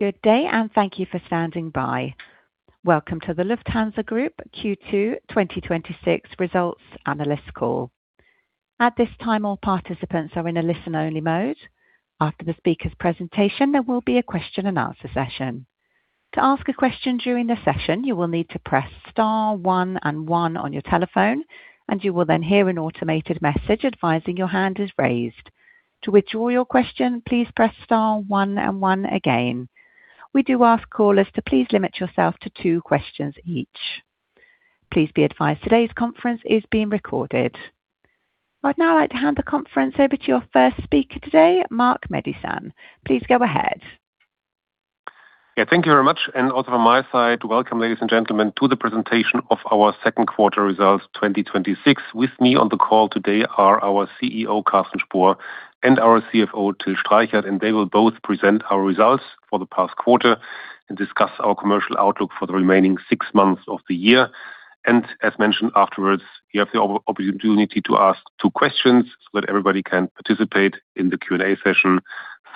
Good day. Thank you for standing by. Welcome to the Lufthansa Group Q2 2026 results analyst call. At this time, all participants are in a listen-only mode. After the speaker's presentation, there will be a question and answer session. To ask a question during the session, you will need to press star one and one on your telephone, and you will then hear an automated message advising your hand is raised. To withdraw your question, please press star one and one again. We do ask callers to please limit yourself to two questions each. Please be advised today's conference is being recorded. I'd now like to hand the conference over to your first speaker today, Marc Nettesheim. Please go ahead. Thank you very much, and also from my side, welcome, ladies and gentlemen, to the presentation of our second quarter results 2026. With me on the call today are our CEO, Carsten Spohr, and our CFO, Till Streichert, and they will both present our results for the past quarter and discuss our commercial outlook for the remaining six months of the year. As mentioned afterwards, you have the opportunity to ask two questions so that everybody can participate in the Q&A session.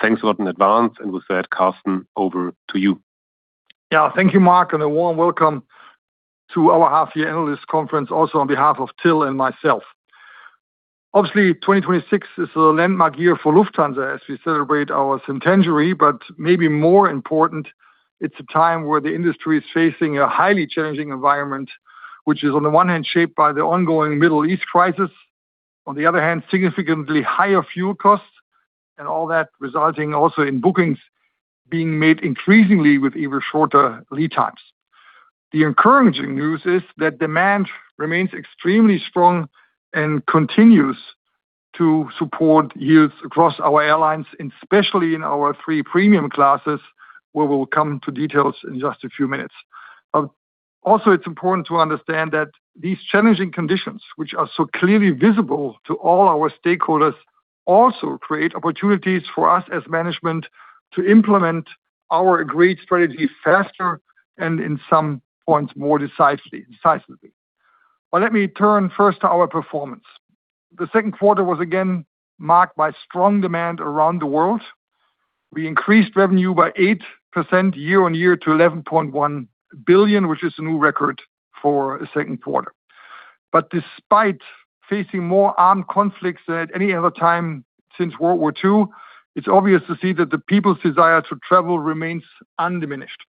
Thanks a lot in advance, and with that, Carsten, over to you. Thank you, Marc, and a warm welcome to our half-year analyst conference, also on behalf of Till and myself. 2026 is a landmark year for Lufthansa as we celebrate our centenary, but maybe more important, it's a time where the industry is facing a highly challenging environment, which is on the one hand shaped by the ongoing Middle East crisis, on the other hand, significantly higher fuel costs, and all that resulting also in bookings being made increasingly with even shorter lead times. The encouraging news is that demand remains extremely strong and continues to support yields across our airlines, and especially in our three premium classes, where we'll come to details in just a few minutes. It's important to understand that these challenging conditions, which are so clearly visible to all our stakeholders, also create opportunities for us as management to implement our agreed strategy faster and in some points, more decisively. Let me turn first to our performance. The second quarter was again marked by strong demand around the world. We increased revenue by 8% year-on-year to 11.1 billion, which is a new record for a second quarter. Despite facing more armed conflicts than at any other time since World War II, it's obvious to see that the people's desire to travel remains undiminished.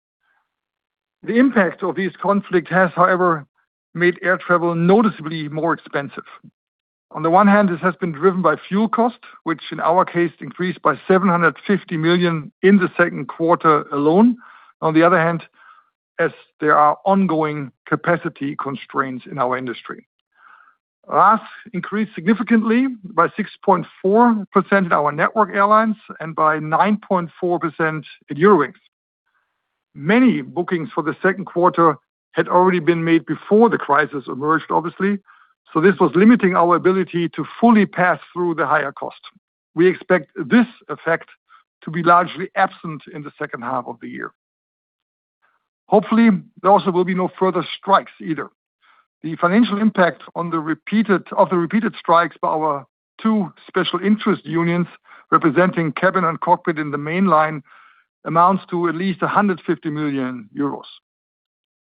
The impact of this conflict has, however, made air travel noticeably more expensive. On the one hand, this has been driven by fuel costs, which in our case, increased by 750 million in the second quarter alone. On the other hand, as there are ongoing capacity constraints in our industry, RASK increased significantly by 6.4% in our Network Airlines and by 9.4% at Eurowings. Many bookings for the second quarter had already been made before the crisis emerged, obviously. This was limiting our ability to fully pass through the higher cost. We expect this effect to be largely absent in the second half of the year. Hopefully, there also will be no further strikes either. The financial impact of the repeated strikes by our two special interest unions representing cabin and cockpit in the mainline amounts to at least 150 million euros.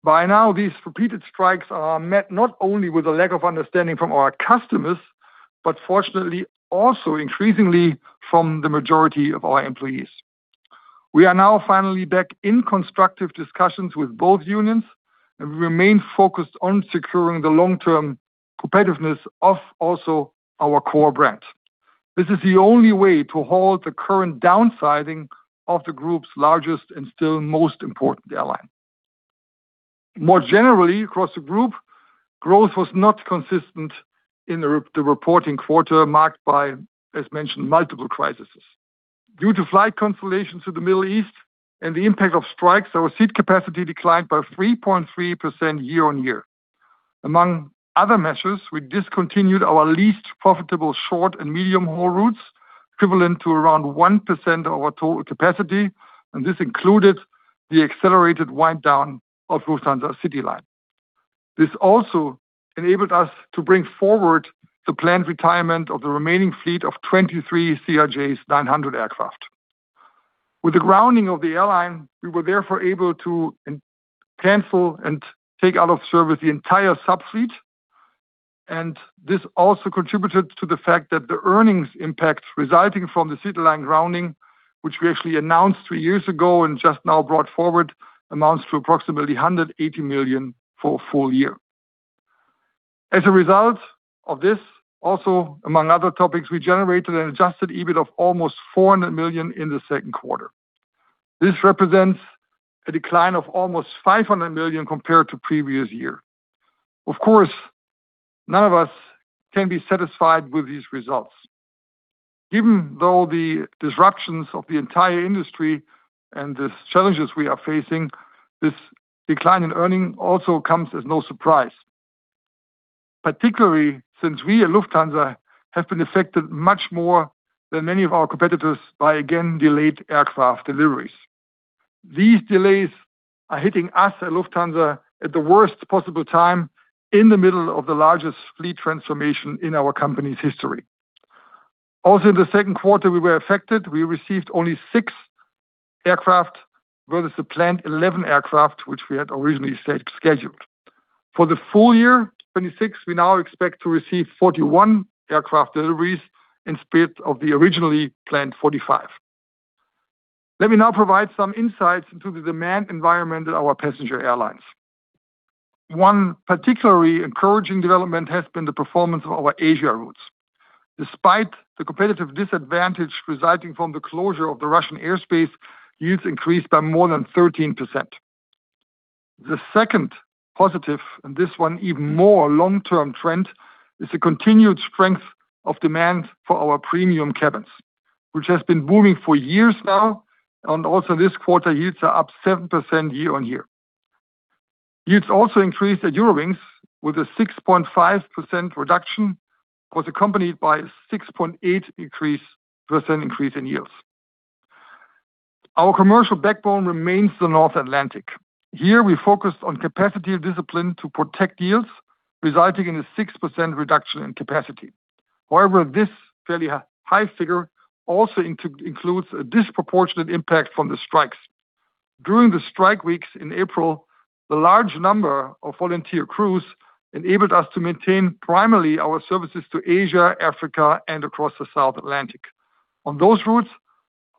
By now, these repeated strikes are met not only with a lack of understanding from our customers, but fortunately also increasingly from the majority of our employees. We are now finally back in constructive discussions with both unions, and we remain focused on securing the long-term competitiveness of also our core brand. This is the only way to halt the current downsizing of the group's largest and still most important airline. More generally, across the group, growth was not consistent in the reporting quarter marked by, as mentioned, multiple crises. Due to flight consolations to the Middle East and the impact of strikes, our seat capacity declined by 3.3% year-on-year. Among other measures, we discontinued our least profitable short and medium haul routes, equivalent to around 1% of our total capacity, and this included the accelerated wind down of Lufthansa CityLine. This also enabled us to bring forward the planned retirement of the remaining fleet of 23 CRJ900 aircraft. With the grounding of the airline, we were therefore able to cancel and take out of service the entire subfleet, and this also contributed to the fact that the earnings impact residing from the Lufthansa CityLine grounding, which we actually announced three years ago and just now brought forward, amounts to approximately 180 million for a full year. As a result of this, also, among other topics, we generated an adjusted EBIT of almost 400 million in the second quarter. This represents a decline of almost 500 million compared to previous year. Of course, none of us can be satisfied with these results. Even though the disruptions of the entire industry and these challenges we are facing, this decline in earnings also comes as no surprise. Particularly, since we at Lufthansa have been affected much more than many of our competitors by again delayed aircraft deliveries. These delays are hitting us at Lufthansa at the worst possible time in the middle of the largest fleet transformation in our company's history. Also in the second quarter, we were affected. We received only six aircraft versus the planned 11 aircraft, which we had originally scheduled. For the full year 2026, we now expect to receive 41 aircraft deliveries in spite of the originally planned 45. Let me now provide some insights into the demand environment of our passenger airlines. One particularly encouraging development has been the performance of our Asia routes. Despite the competitive disadvantage resulting from the closure of the Russian airspace, yields increased by more than 13%. The second positive, and this one even more long-term trend, is the continued strength of demand for our premium cabins, which has been booming for years now, and also this quarter, yields are up 7% year-on-year. Yields also increased at Eurowings with a 6.5% reduction, was accompanied by a 6.8% increase in yields. Our commercial backbone remains the North Atlantic. Here, we focused on capacity discipline to protect yields, resulting in a 6% reduction in capacity. However, this fairly high figure also includes a disproportionate impact from the strikes. During the strike weeks in April, the large number of volunteer crews enabled us to maintain primarily our services to Asia, Africa, and across the South Atlantic. On those routes,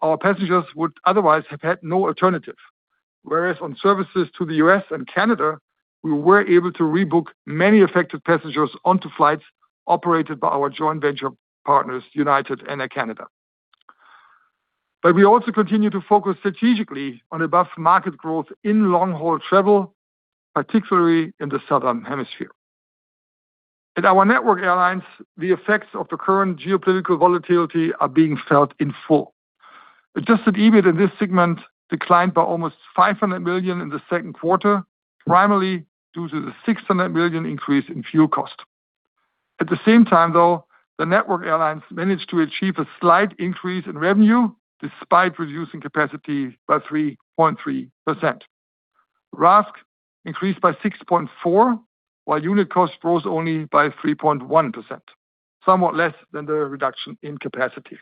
our passengers would otherwise have had no alternative. Whereas on services to the U.S. and Canada, we were able to rebook many affected passengers onto flights operated by our joint venture partners, United Airlines and Air Canada. We also continue to focus strategically on above-market growth in long-haul travel, particularly in the Southern Hemisphere. At our Network Airlines, the effects of the current geopolitical volatility are being felt in full. Adjusted EBIT in this segment declined by almost 500 million in the second quarter, primarily due to the 600 million increase in fuel cost. At the same time, though, the Network Airlines managed to achieve a slight increase in revenue despite reducing capacity by 3.3%. RASK increased by 6.4%, while unit cost rose only by 3.1%, somewhat less than the reduction in capacity.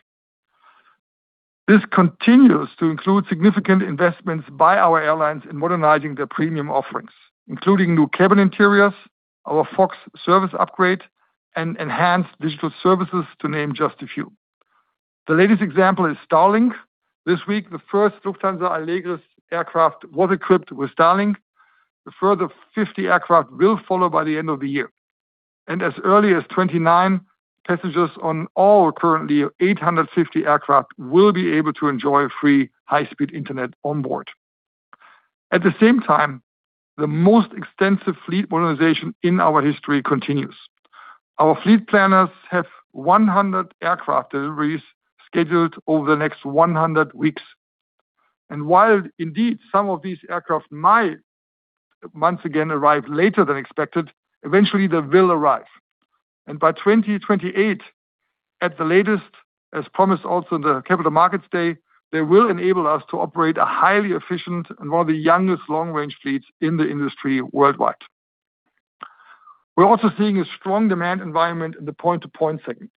This continues to include significant investments by our airlines in modernizing their premium offerings, including new cabin interiors, our FOX service upgrade, and enhanced digital services, to name just a few. The latest example is Starlink. This week, the first Lufthansa Allegris aircraft was equipped with Starlink. A further 50 aircraft will follow by the end of the year. As early as 2029, passengers on all currently 850 aircraft will be able to enjoy free high-speed internet on board. At the same time, the most extensive fleet modernization in our history continues. Our fleet planners have 100 aircraft deliveries scheduled over the next 100 weeks. While indeed some of these aircraft might once again arrive later than expected, eventually they will arrive. By 2028, at the latest, as promised also in the Capital Markets Day, they will enable us to operate a highly efficient and one of the youngest long-range fleets in the industry worldwide. We are also seeing a strong demand environment in the Point-to-Point segment.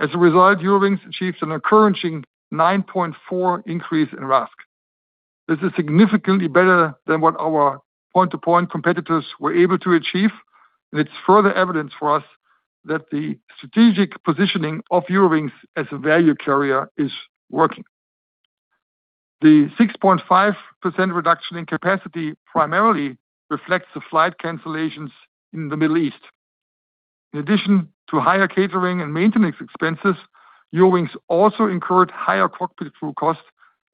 As a result, Eurowings achieved an encouraging 9.4% increase in RASK. This is significantly better than what our point-to-point competitors were able to achieve, and it is further evidence for us that the strategic positioning of Eurowings as a value carrier is working. The 6.5% reduction in capacity primarily reflects the flight cancellations in the Middle East. In addition to higher catering and maintenance expenses, Eurowings also incurred higher cockpit crew costs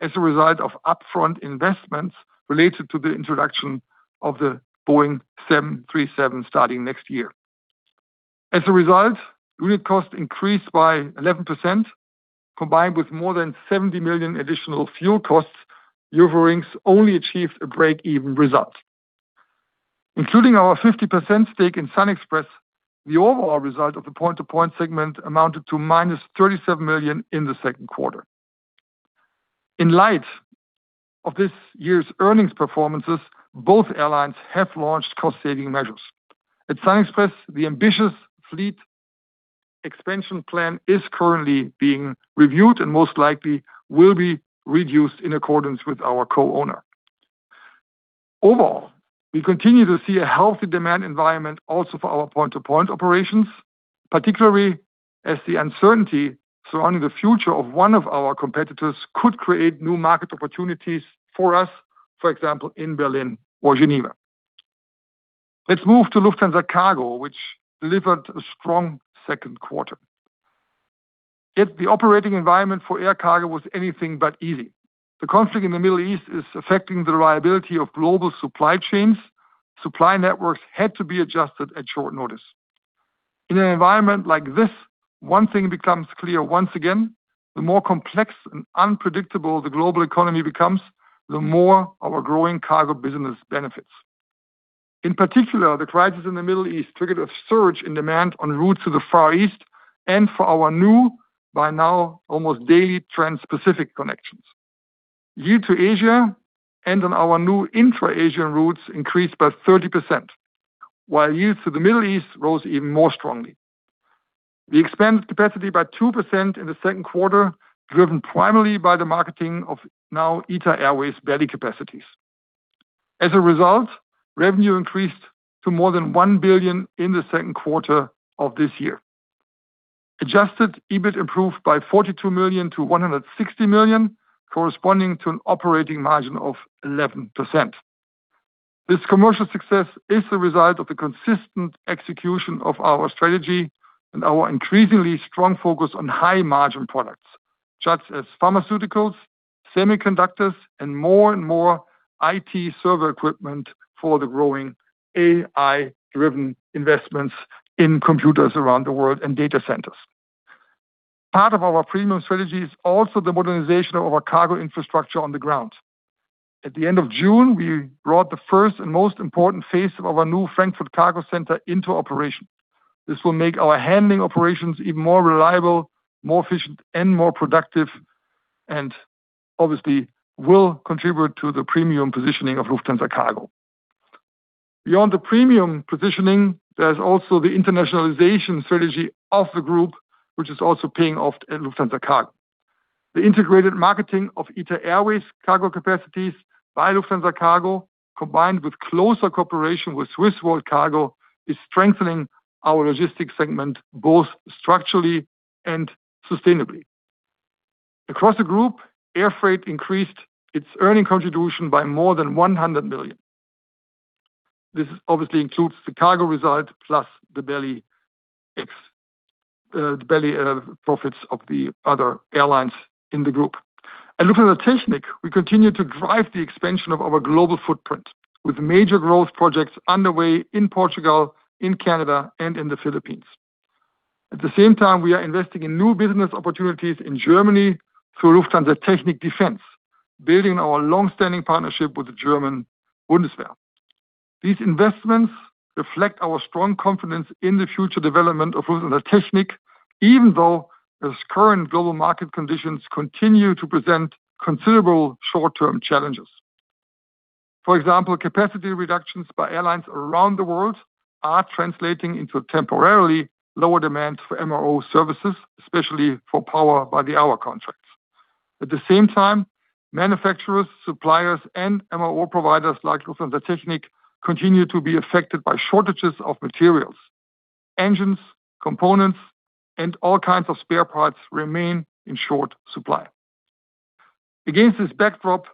as a result of upfront investments related to the introduction of the Boeing 737 starting next year. As a result, unit cost increased by 11%, combined with more than 70 million additional fuel costs, Eurowings only achieved a break-even result. Including our 50% stake in SunExpress, the overall result of the Point-to-Point segment amounted to -37 million in the second quarter. In light of this year's earnings performances, both airlines have launched cost-saving measures. At SunExpress, the ambitious fleet expansion plan is currently being reviewed and most likely will be reduced in accordance with our co-owner. Overall, we continue to see a healthy demand environment also for our point-to-point operations, particularly as the uncertainty surrounding the future of one of our competitors could create new market opportunities for us, for example, in Berlin or Geneva. Let's move to Lufthansa Cargo, which delivered a strong second quarter. Yet the operating environment for air cargo was anything but easy. The conflict in the Middle East is affecting the reliability of global supply chains. Supply networks had to be adjusted at short notice. In an environment like this, one thing becomes clear once again, the more complex and unpredictable the global economy becomes, the more our growing cargo business benefits. In particular, the crisis in the Middle East triggered a surge in demand on routes to the Far East and for our new, by now, almost daily transpacific connection. Yield to Asia and on our new intra-Asian routes increased by 30%, while yields to the Middle East rose even more strongly. We expanded capacity by 2% in the second quarter, driven primarily by the marketing of now ITA Airways' belly capacities. As a result, revenue increased to more than 1 billion in the second quarter of this year. Adjusted EBIT improved by 42 million to 160 million, corresponding to an operating margin of 11%. This commercial success is the result of the consistent execution of our strategy and our increasingly strong focus on high-margin products, such as pharmaceuticals, semiconductors, and more and more IT server equipment for the growing AI-driven investments in computers around the world and data centers. Part of our premium strategy is also the modernization of our cargo infrastructure on the ground. At the end of June, we brought the first and most important phase of our new Frankfurt cargo center into operation. This will make our handling operations even more reliable, more efficient, and more productive. Obviously will contribute to the premium positioning of Lufthansa Cargo. Beyond the premium positioning, there's also the internationalization strategy of the group, which is also paying off at Lufthansa Cargo. The integrated marketing of ITA Airways cargo capacities by Lufthansa Cargo, combined with closer cooperation with SWISS WorldCargo, is strengthening our logistics segment both structurally and sustainably. Across the group, air freight increased its earning contribution by more than 100 million. This obviously includes the cargo result plus the belly profits of the other airlines in the group. At Lufthansa Technik, we continue to drive the expansion of our global footprint with major growth projects underway in Portugal, in Canada, and in the Philippines. At the same time, we are investing in new business opportunities in Germany through Lufthansa Technik Defense, building on our long-standing partnership with the German Bundeswehr. These investments reflect our strong confidence in the future development of Lufthansa Technik, even though its current global market conditions continue to present considerable short-term challenges. For example, capacity reductions by airlines around the world are translating into temporarily lower demand for MRO services, especially for power-by-the-hour contracts. At the same time, manufacturers, suppliers, and MRO providers like Lufthansa Technik continue to be affected by shortages of materials. Engines, components, and all kinds of spare parts remain in short supply. Against this backdrop,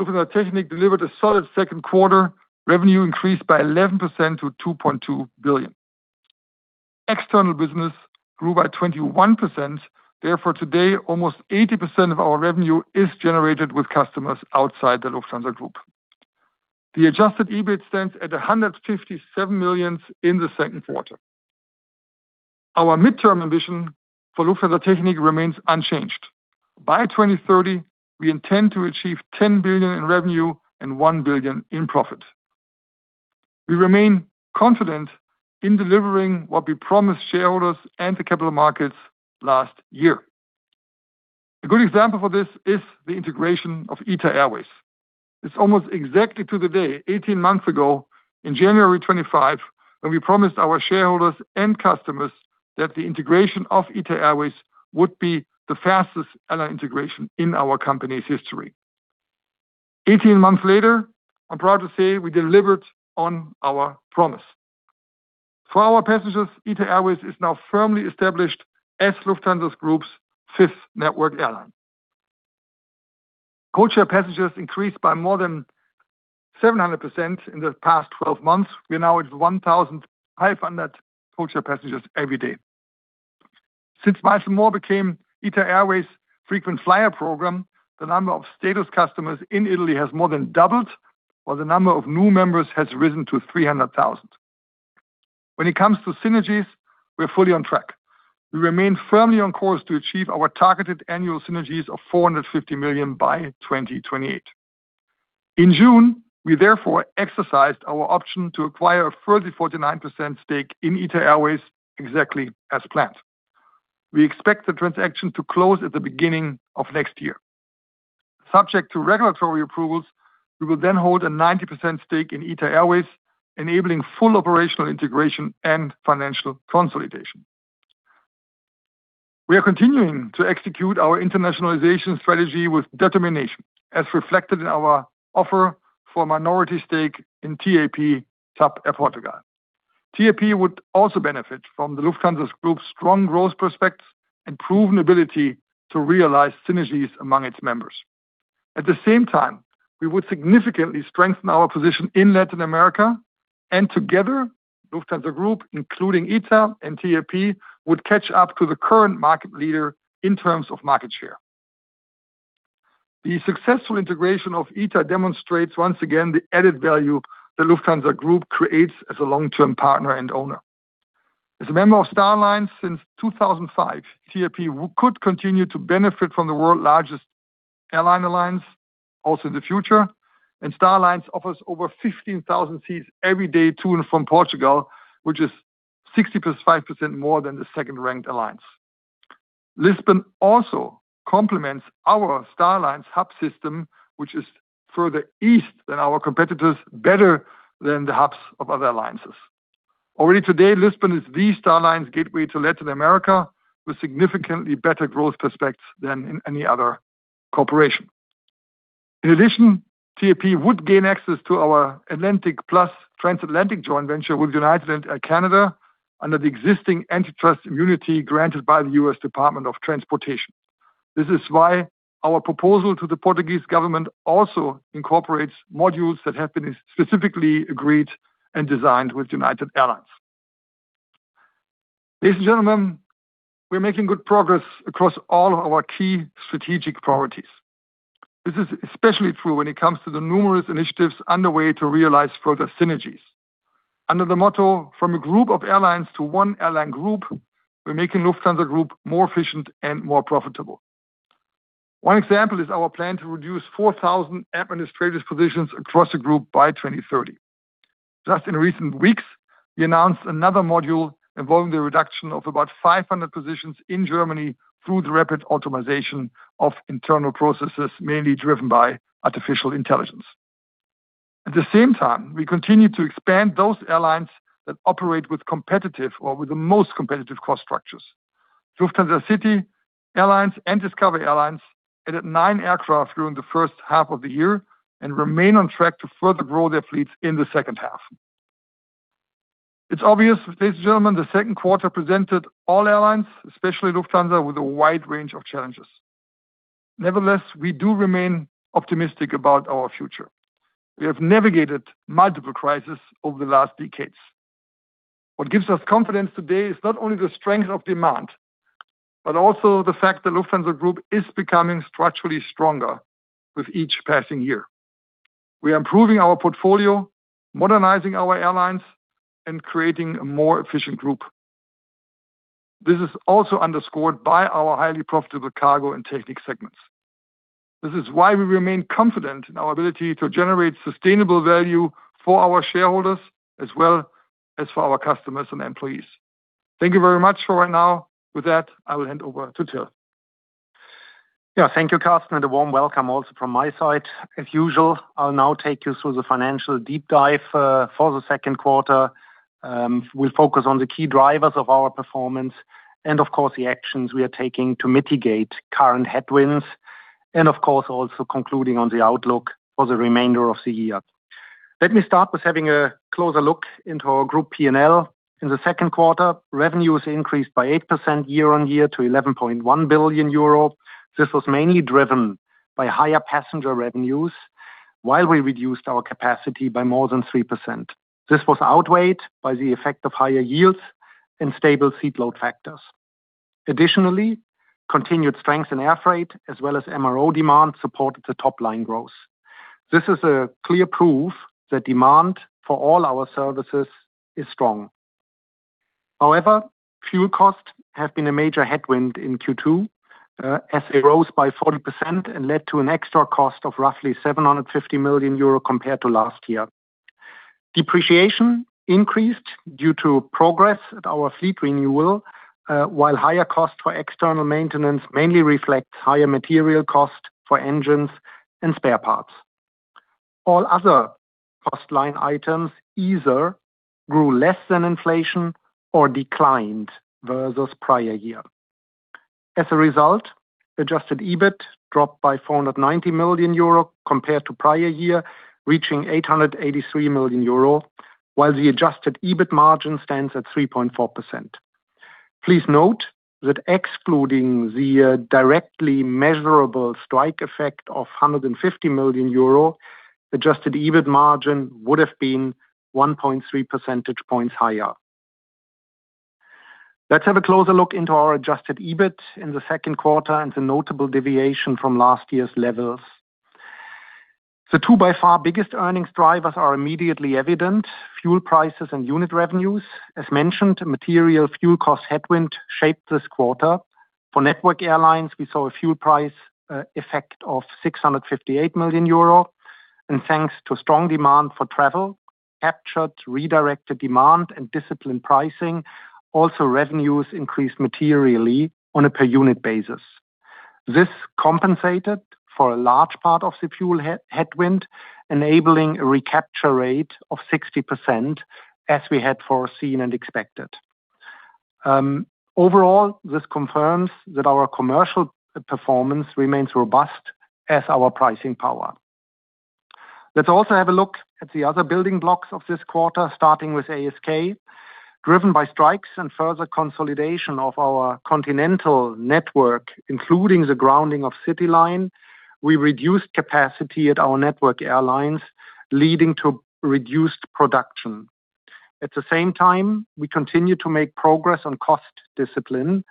Lufthansa Technik delivered a solid second quarter, revenue increased by 11% to 2.2 billion. External business grew by 21%. Today, almost 80% of our revenue is generated with customers outside the Lufthansa Group. The adjusted EBIT stands at 157 million in the second quarter. Our midterm ambition for Lufthansa Technik remains unchanged. By 2030, we intend to achieve 10 billion in revenue and 1 billion in profit. We remain confident in delivering what we promised shareholders and the capital markets last year. A good example of this is the integration of ITA Airways. It's almost exactly to the day, 18 months ago, in January 2025, when we promised our shareholders and customers that the integration of ITA Airways would be the fastest airline integration in our company's history. 18 months later, I'm proud to say we delivered on our promise. For our passengers, ITA Airways is now firmly established as Lufthansa Group's fifth network airline. Codeshare passengers increased by more than 700% in the past 12 months. We are now at 1,500 codeshare passengers every day. Since Miles & More became ITA Airways frequent flyer program, the number of status customers in Italy has more than doubled, while the number of new members has risen to 300,000. When it comes to synergies, we're fully on track. We remain firmly on course to achieve our targeted annual synergies of 450 million by 2028. In June, we therefore exercised our option to acquire a further 49% stake in ITA Airways exactly as planned. We expect the transaction to close at the beginning of next year. Subject to regulatory approvals, we will then hold a 90% stake in ITA Airways, enabling full operational integration and financial consolidation. We are continuing to execute our internationalization strategy with determination, as reflected in our offer for a minority stake in TAP Air Portugal. TAP would also benefit from the Lufthansa Group's strong growth prospects and proven ability to realize synergies among its members. At the same time, we would significantly strengthen our position in Latin America. Together, Lufthansa Group, including ITA and TAP, would catch up to the current market leader in terms of market share. The successful integration of ITA demonstrates once again the added value the Lufthansa Group creates as a long-term partner and owner. As a member of Star Alliance since 2005, TAP could continue to benefit from the world's largest airline alliance also in the future. Star Alliance offers over 15,000 seats every day to and from Portugal, which is 60+5% more than the second-ranked alliance. Lisbon also complements our Star Alliance hub system, which is further east than our competitors, better than the hubs of other alliances. Already today, Lisbon is the Star Alliance gateway to Latin America, with significantly better growth prospects than in any other cooperation. In addition, TAP would gain access to our Atlantic Joint Venture with United Airlines and Air Canada under the existing antitrust immunity granted by the U.S. Department of Transportation. This is why our proposal to the Portuguese government also incorporates modules that have been specifically agreed and designed with United Airlines. Ladies and gentlemen, we're making good progress across all our key strategic priorities. This is especially true when it comes to the numerous initiatives underway to realize further synergies. Under the motto, from a group of airlines to one airline group, we're making Lufthansa Group more efficient and more profitable. One example is our plan to reduce 4,000 administrative positions across the group by 2030. In recent weeks, we announced another module involving the reduction of about 500 positions in Germany through the rapid automation of internal processes, mainly driven by artificial intelligence. At the same time, we continue to expand those airlines that operate with competitive or with the most competitive cost structures. Lufthansa City Airlines and Discover Airlines added nine aircraft during the first half of the year and remain on track to further grow their fleets in the second half. It is obvious, ladies and gentlemen, the second quarter presented all airlines, especially Lufthansa, with a wide range of challenges. Nevertheless, we do remain optimistic about our future. We have navigated multiple crises over the last decades. What gives us confidence today is not only the strength of demand but also the fact that Lufthansa Group is becoming structurally stronger with each passing year. We are improving our portfolio, modernizing our airlines, and creating a more efficient group. This is also underscored by our highly profitable Cargo and Technik segments. This is why we remain confident in our ability to generate sustainable value for our shareholders, as well as for our customers and employees. Thank you very much for right now. With that, I will hand over to Till. Thank you, Carsten, and a warm welcome also from my side, as usual. I will now take you through the financial deep dive for the second quarter. We will focus on the key drivers of our performance and of course, the actions we are taking to mitigate current headwinds, and of course, also concluding on the outlook for the remainder of the year. Let me start with having a closer look into our group P&L. In the second quarter, revenues increased by 8% year-on-year to 11.1 billion euro. This was mainly driven by higher passenger revenues while we reduced our capacity by more than 3%. This was outweighed by the effect of higher yields and stable seat load factors. Additionally, continued strength in air freight as well as MRO demand supported the top-line growth. This is a clear proof that demand for all our services is strong. Fuel costs have been a major headwind in Q2, as they rose by 40% and led to an extra cost of roughly 750 million euro compared to last year. Depreciation increased due to progress at our fleet renewal, while higher cost for external maintenance mainly reflects higher material cost for engines and spare parts. All other cost line items either grew less than inflation or declined versus prior year. As a result, adjusted EBIT dropped by 490 million euro compared to prior year, reaching 383 million euro, while the adjusted EBIT margin stands at 3.4%. Please note that excluding the directly measurable strike effect of 150 million euro, adjusted EBIT margin would have been 1.3 percentage points higher. Let us have a closer look into our adjusted EBIT in the second quarter and the notable deviation from last year's levels. The two by far biggest earnings drivers are immediately evident: fuel prices and unit revenues. As mentioned, material fuel cost headwind shaped this quarter. For Network Airlines, we saw a fuel price effect of 658 million euro. Thanks to strong demand for travel, captured redirected demand, and disciplined pricing, also revenues increased materially on a per unit basis. This compensated for a large part of the fuel headwind, enabling a recapture rate of 60% as we had foreseen and expected. Overall, this confirms that our commercial performance remains robust as our pricing power. Let's also have a look at the other building blocks of this quarter, starting with ASK. Driven by strikes and further consolidation of our continental network, including the grounding of Lufthansa CityLine, we reduced capacity at our Network Airlines, leading to reduced production. At the same time, we continue to make progress on cost discipline.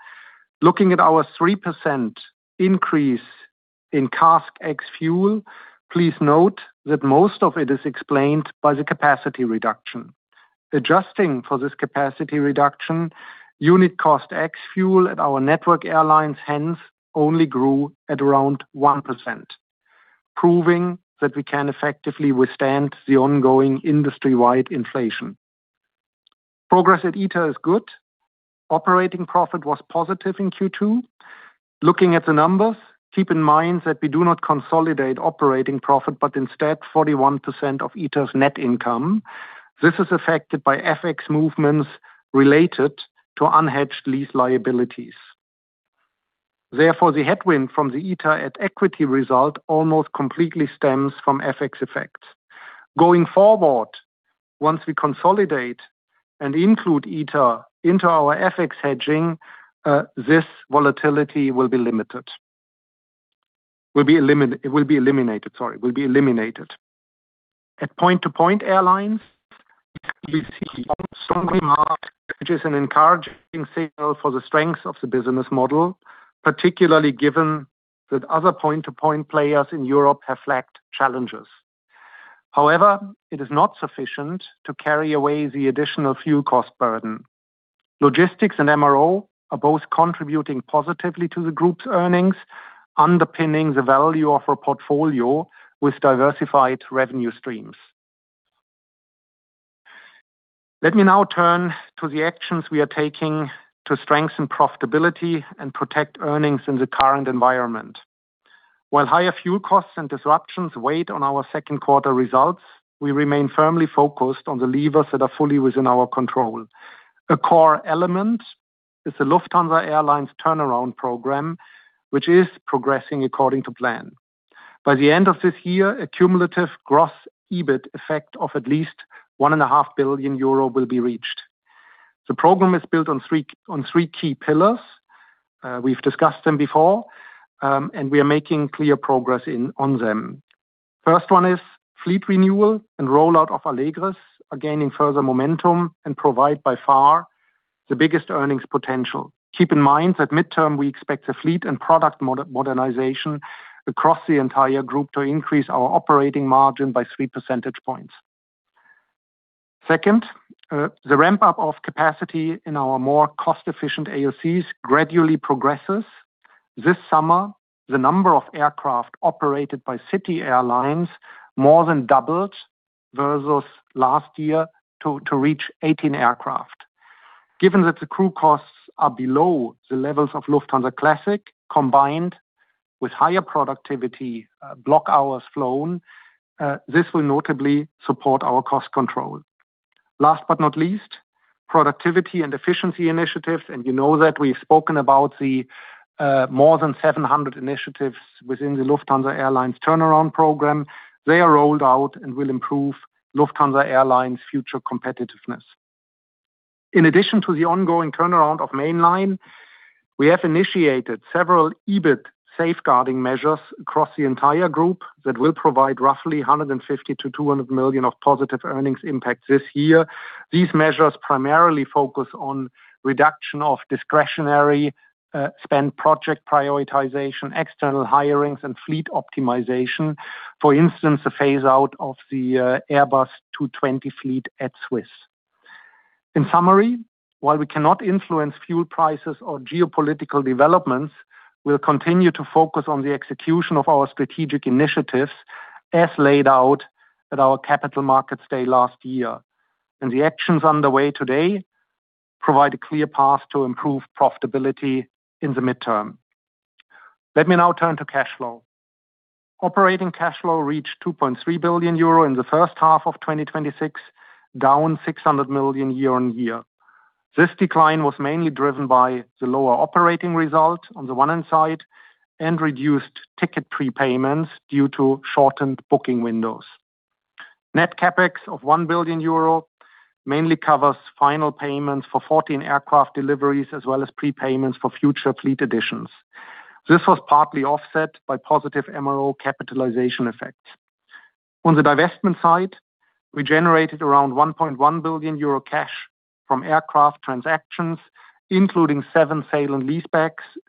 Looking at our 3% increase in CASK ex fuel, please note that most of it is explained by the capacity reduction. Adjusting for this capacity reduction, unit cost ex fuel at our Network Airlines hence only grew at around 1%. Proving that we can effectively withstand the ongoing industry-wide inflation. Progress at ITA is good. Operating profit was positive in Q2. Looking at the numbers, keep in mind that we do not consolidate operating profit, but instead 41% of ITA's net income. This is affected by FX movements related to unhedged lease liabilities. Therefore, the headwind from the ITA at equity result almost completely stems from FX effects. Going forward, once we consolidate and include ITA into our FX hedging, this volatility will be limited. Will be eliminated. At Point-to-Point Airlines, we see strong demand, which is an encouraging signal for the strength of the business model, particularly given that other point-to-point players in Europe have lacked challenges. However, it is not sufficient to carry away the additional fuel cost burden. Logistics and MRO are both contributing positively to the group's earnings, underpinning the value of our portfolio with diversified revenue streams. Let me now turn to the actions we are taking to strengthen profitability and protect earnings in the current environment. While higher fuel costs and disruptions weigh on our second quarter results, we remain firmly focused on the levers that are fully within our control. A core element is the Lufthansa Airlines Turnaround program, which is progressing according to plan. By the end of this year, a cumulative gross EBIT effect of at least 1.5 billion euro will be reached. The program is built on three key pillars. We've discussed them before, and we are making clear progress on them. First one is fleet renewal and rollout of Allegris are gaining further momentum and provide by far the biggest earnings potential. Keep in mind, at midterm, we expect the fleet and product modernization across the entire group to increase our operating margin by three percentage points. Second, the ramp-up of capacity in our more cost-efficient AOCs gradually progresses. This summer, the number of aircraft operated by Lufthansa City Airlines more than doubled versus last year to reach 18 aircraft. Given that the crew costs are below the levels of Lufthansa Classic, combined with higher productivity block hours flown, this will notably support our cost control. Last but not least, productivity and efficiency initiatives, and you know that we've spoken about the more than 700 initiatives within the Lufthansa Airlines Turnaround program. They are rolled out and will improve Lufthansa Airlines' future competitiveness. In addition to the ongoing turnaround of Lufthansa mainline, we have initiated several EBIT safeguarding measures across the entire group that will provide roughly 150 million-200 million of positive earnings impact this year. These measures primarily focus on reduction of discretionary spend project prioritization, external hirings, and fleet optimization. For instance, the phase out of the Airbus A220 fleet at SWISS. In summary, while we cannot influence fuel prices or geopolitical developments, we will continue to focus on the execution of our strategic initiatives as laid out at our Capital Markets Day last year. The actions underway today provide a clear path to improve profitability in the midterm. Let me now turn to cash flow. Operating cash flow reached 2.3 billion euro in the first half of 2026, down 600 million year-on-year. This decline was mainly driven by the lower operating result on the one hand side and reduced ticket prepayments due to shortened booking windows. Net CapEx of 1 billion euro mainly covers final payments for 14 aircraft deliveries, as well as prepayments for future fleet additions. This was partly offset by positive MRO capitalization effects. On the divestment side, we generated around 1.1 billion euro cash from aircraft transactions, including seven sale and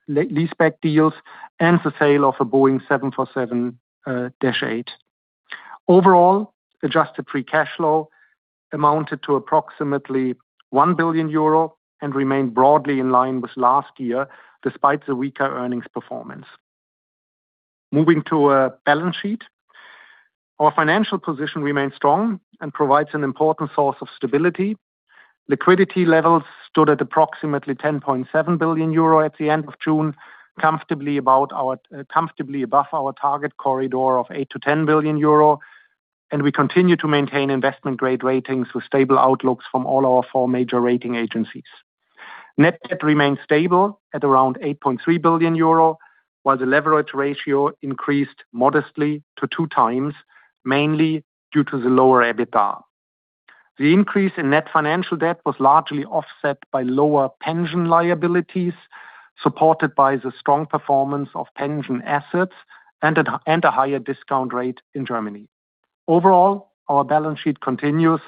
leaseback deals, and the sale of a Boeing 747-8. Overall, adjusted free cash flow amounted to approximately 1 billion euro and remained broadly in line with last year, despite the weaker earnings performance. Moving to our balance sheet. Our financial position remains strong and provides an important source of stability. Liquidity levels stood at approximately 10.7 billion euro at the end of June, comfortably above our target corridor of 8 billion-10 billion euro, and we continue to maintain investment-grade ratings with stable outlooks from all our four major rating agencies. Net debt remains stable at around 8.3 billion euro, while the leverage ratio increased modestly to 2x, mainly due to the lower EBITDA. The increase in net financial debt was largely offset by lower pension liabilities, supported by the strong performance of pension assets and a higher discount rate in Germany. Overall, our balance sheet continues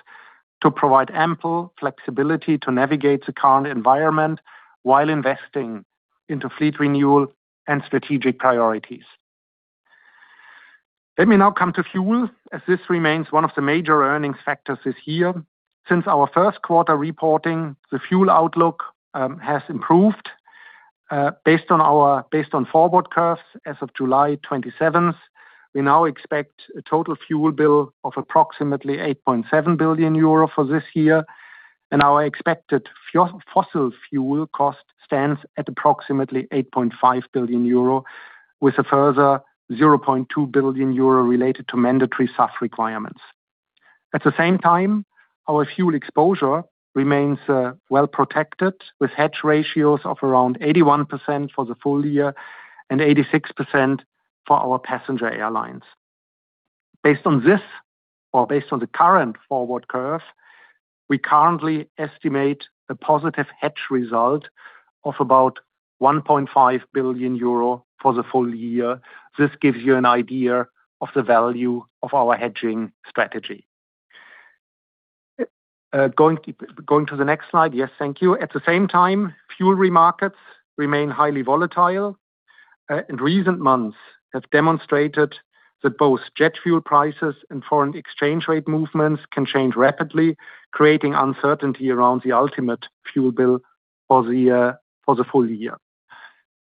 to provide ample flexibility to navigate the current environment while investing into fleet renewal and strategic priorities. Let me now come to fuel, as this remains one of the major earnings factors this year. Since our first quarter reporting, the fuel outlook has improved. Based on forward curves as of July 27th, we now expect a total fuel bill of approximately 8.7 billion euro for this year. Our expected fossil fuel cost stands at approximately 8.5 billion euro, with a further 0.2 billion euro related to mandatory SAF requirements. At the same time, our fuel exposure remains well protected, with hedge ratios of around 81% for the full year and 86% for our passenger airlines. Based on the current forward curve, we currently estimate a positive hedge result of about 1.5 billion euro for the full year. This gives you an idea of the value of our hedging strategy. Going to the next slide. Yes, thank you. At the same time, fuel markets remain highly volatile, and recent months have demonstrated that both jet fuel prices and foreign exchange rate movements can change rapidly, creating uncertainty around the ultimate fuel bill for the full year.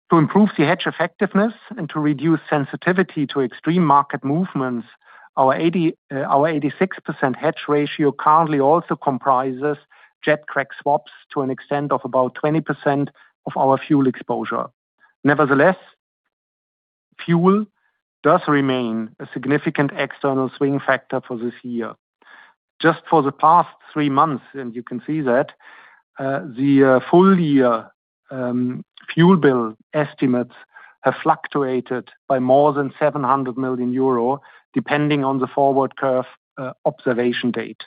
To improve the hedge effectiveness and to reduce sensitivity to extreme market movements, our 86% hedge ratio currently also comprises jet crack swaps to an extent of about 20% of our fuel exposure. Nevertheless, fuel does remain a significant external swing factor for this year. Just for the past three months, and you can see that, the full-year fuel bill estimates have fluctuated by more than 700 million euro depending on the forward curve observation date.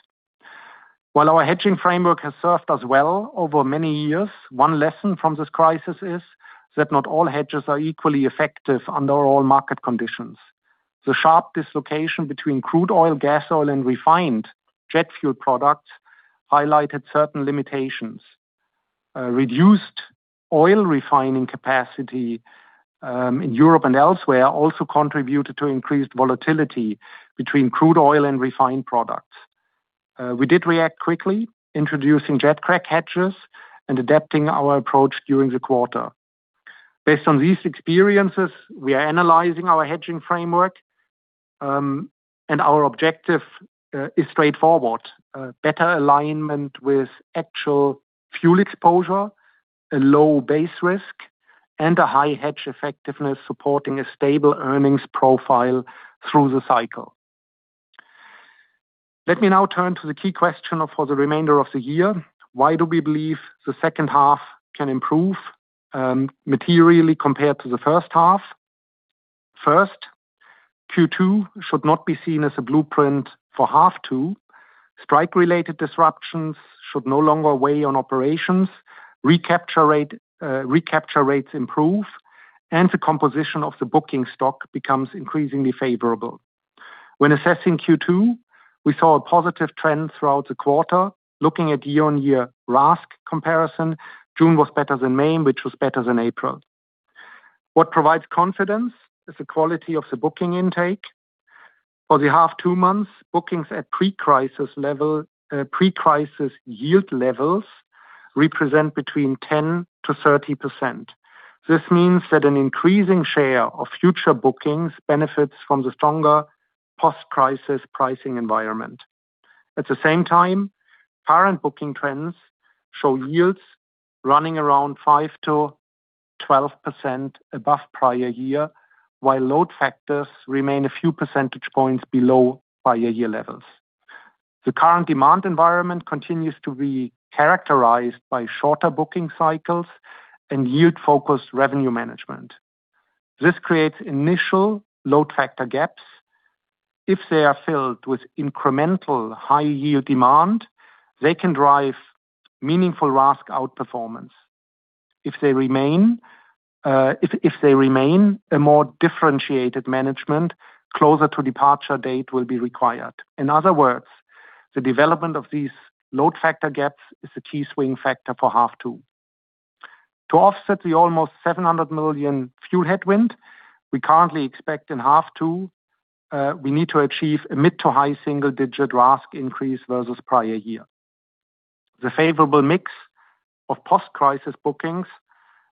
While our hedging framework has served us well over many years, one lesson from this crisis is that not all hedges are equally effective under all market conditions. The sharp dislocation between crude oil, gas oil, and refined jet fuel products highlighted certain limitations. Reduced oil refining capacity in Europe and elsewhere also contributed to increased volatility between crude oil and refined products. We did react quickly, introducing jet crack hedges and adapting our approach during the quarter. Based on these experiences, we are analyzing our hedging framework. Our objective is straightforward: better alignment with actual fuel exposure, a low base risk, and a high hedge effectiveness supporting a stable earnings profile through the cycle. Let me now turn to the key question for the remainder of the year. Why do we believe the second half can improve materially compared to the first half? First, Q2 should not be seen as a blueprint for half two. Strike-related disruptions should no longer weigh on operations, recapture rates improve. The composition of the booking stock becomes increasingly favorable. When assessing Q2, we saw a positive trend throughout the quarter. Looking at year-on-year RASK comparison, June was better than May, which was better than April. What provides confidence is the quality of the booking intake. For the half two months, bookings at pre-crisis yield levels represent between 10%-30%. This means that an increasing share of future bookings benefits from the stronger post-crisis pricing environment. At the same time, current booking trends show yields running around 5%-12% above prior year, while load factors remain a few percentage points below prior year levels. The current demand environment continues to be characterized by shorter booking cycles and yield-focused revenue management. This creates initial load factor gaps. If they are filled with incremental high-yield demand, they can drive meaningful RASK outperformance. If they remain, a more differentiated management closer to departure date will be required. In other words, the development of these load factor gaps is the key swing factor for half two. To offset the almost 700 million fuel headwind we currently expect in half two, we need to achieve a mid-to-high single-digit RASK increase versus the prior year. The favorable mix of post-crisis bookings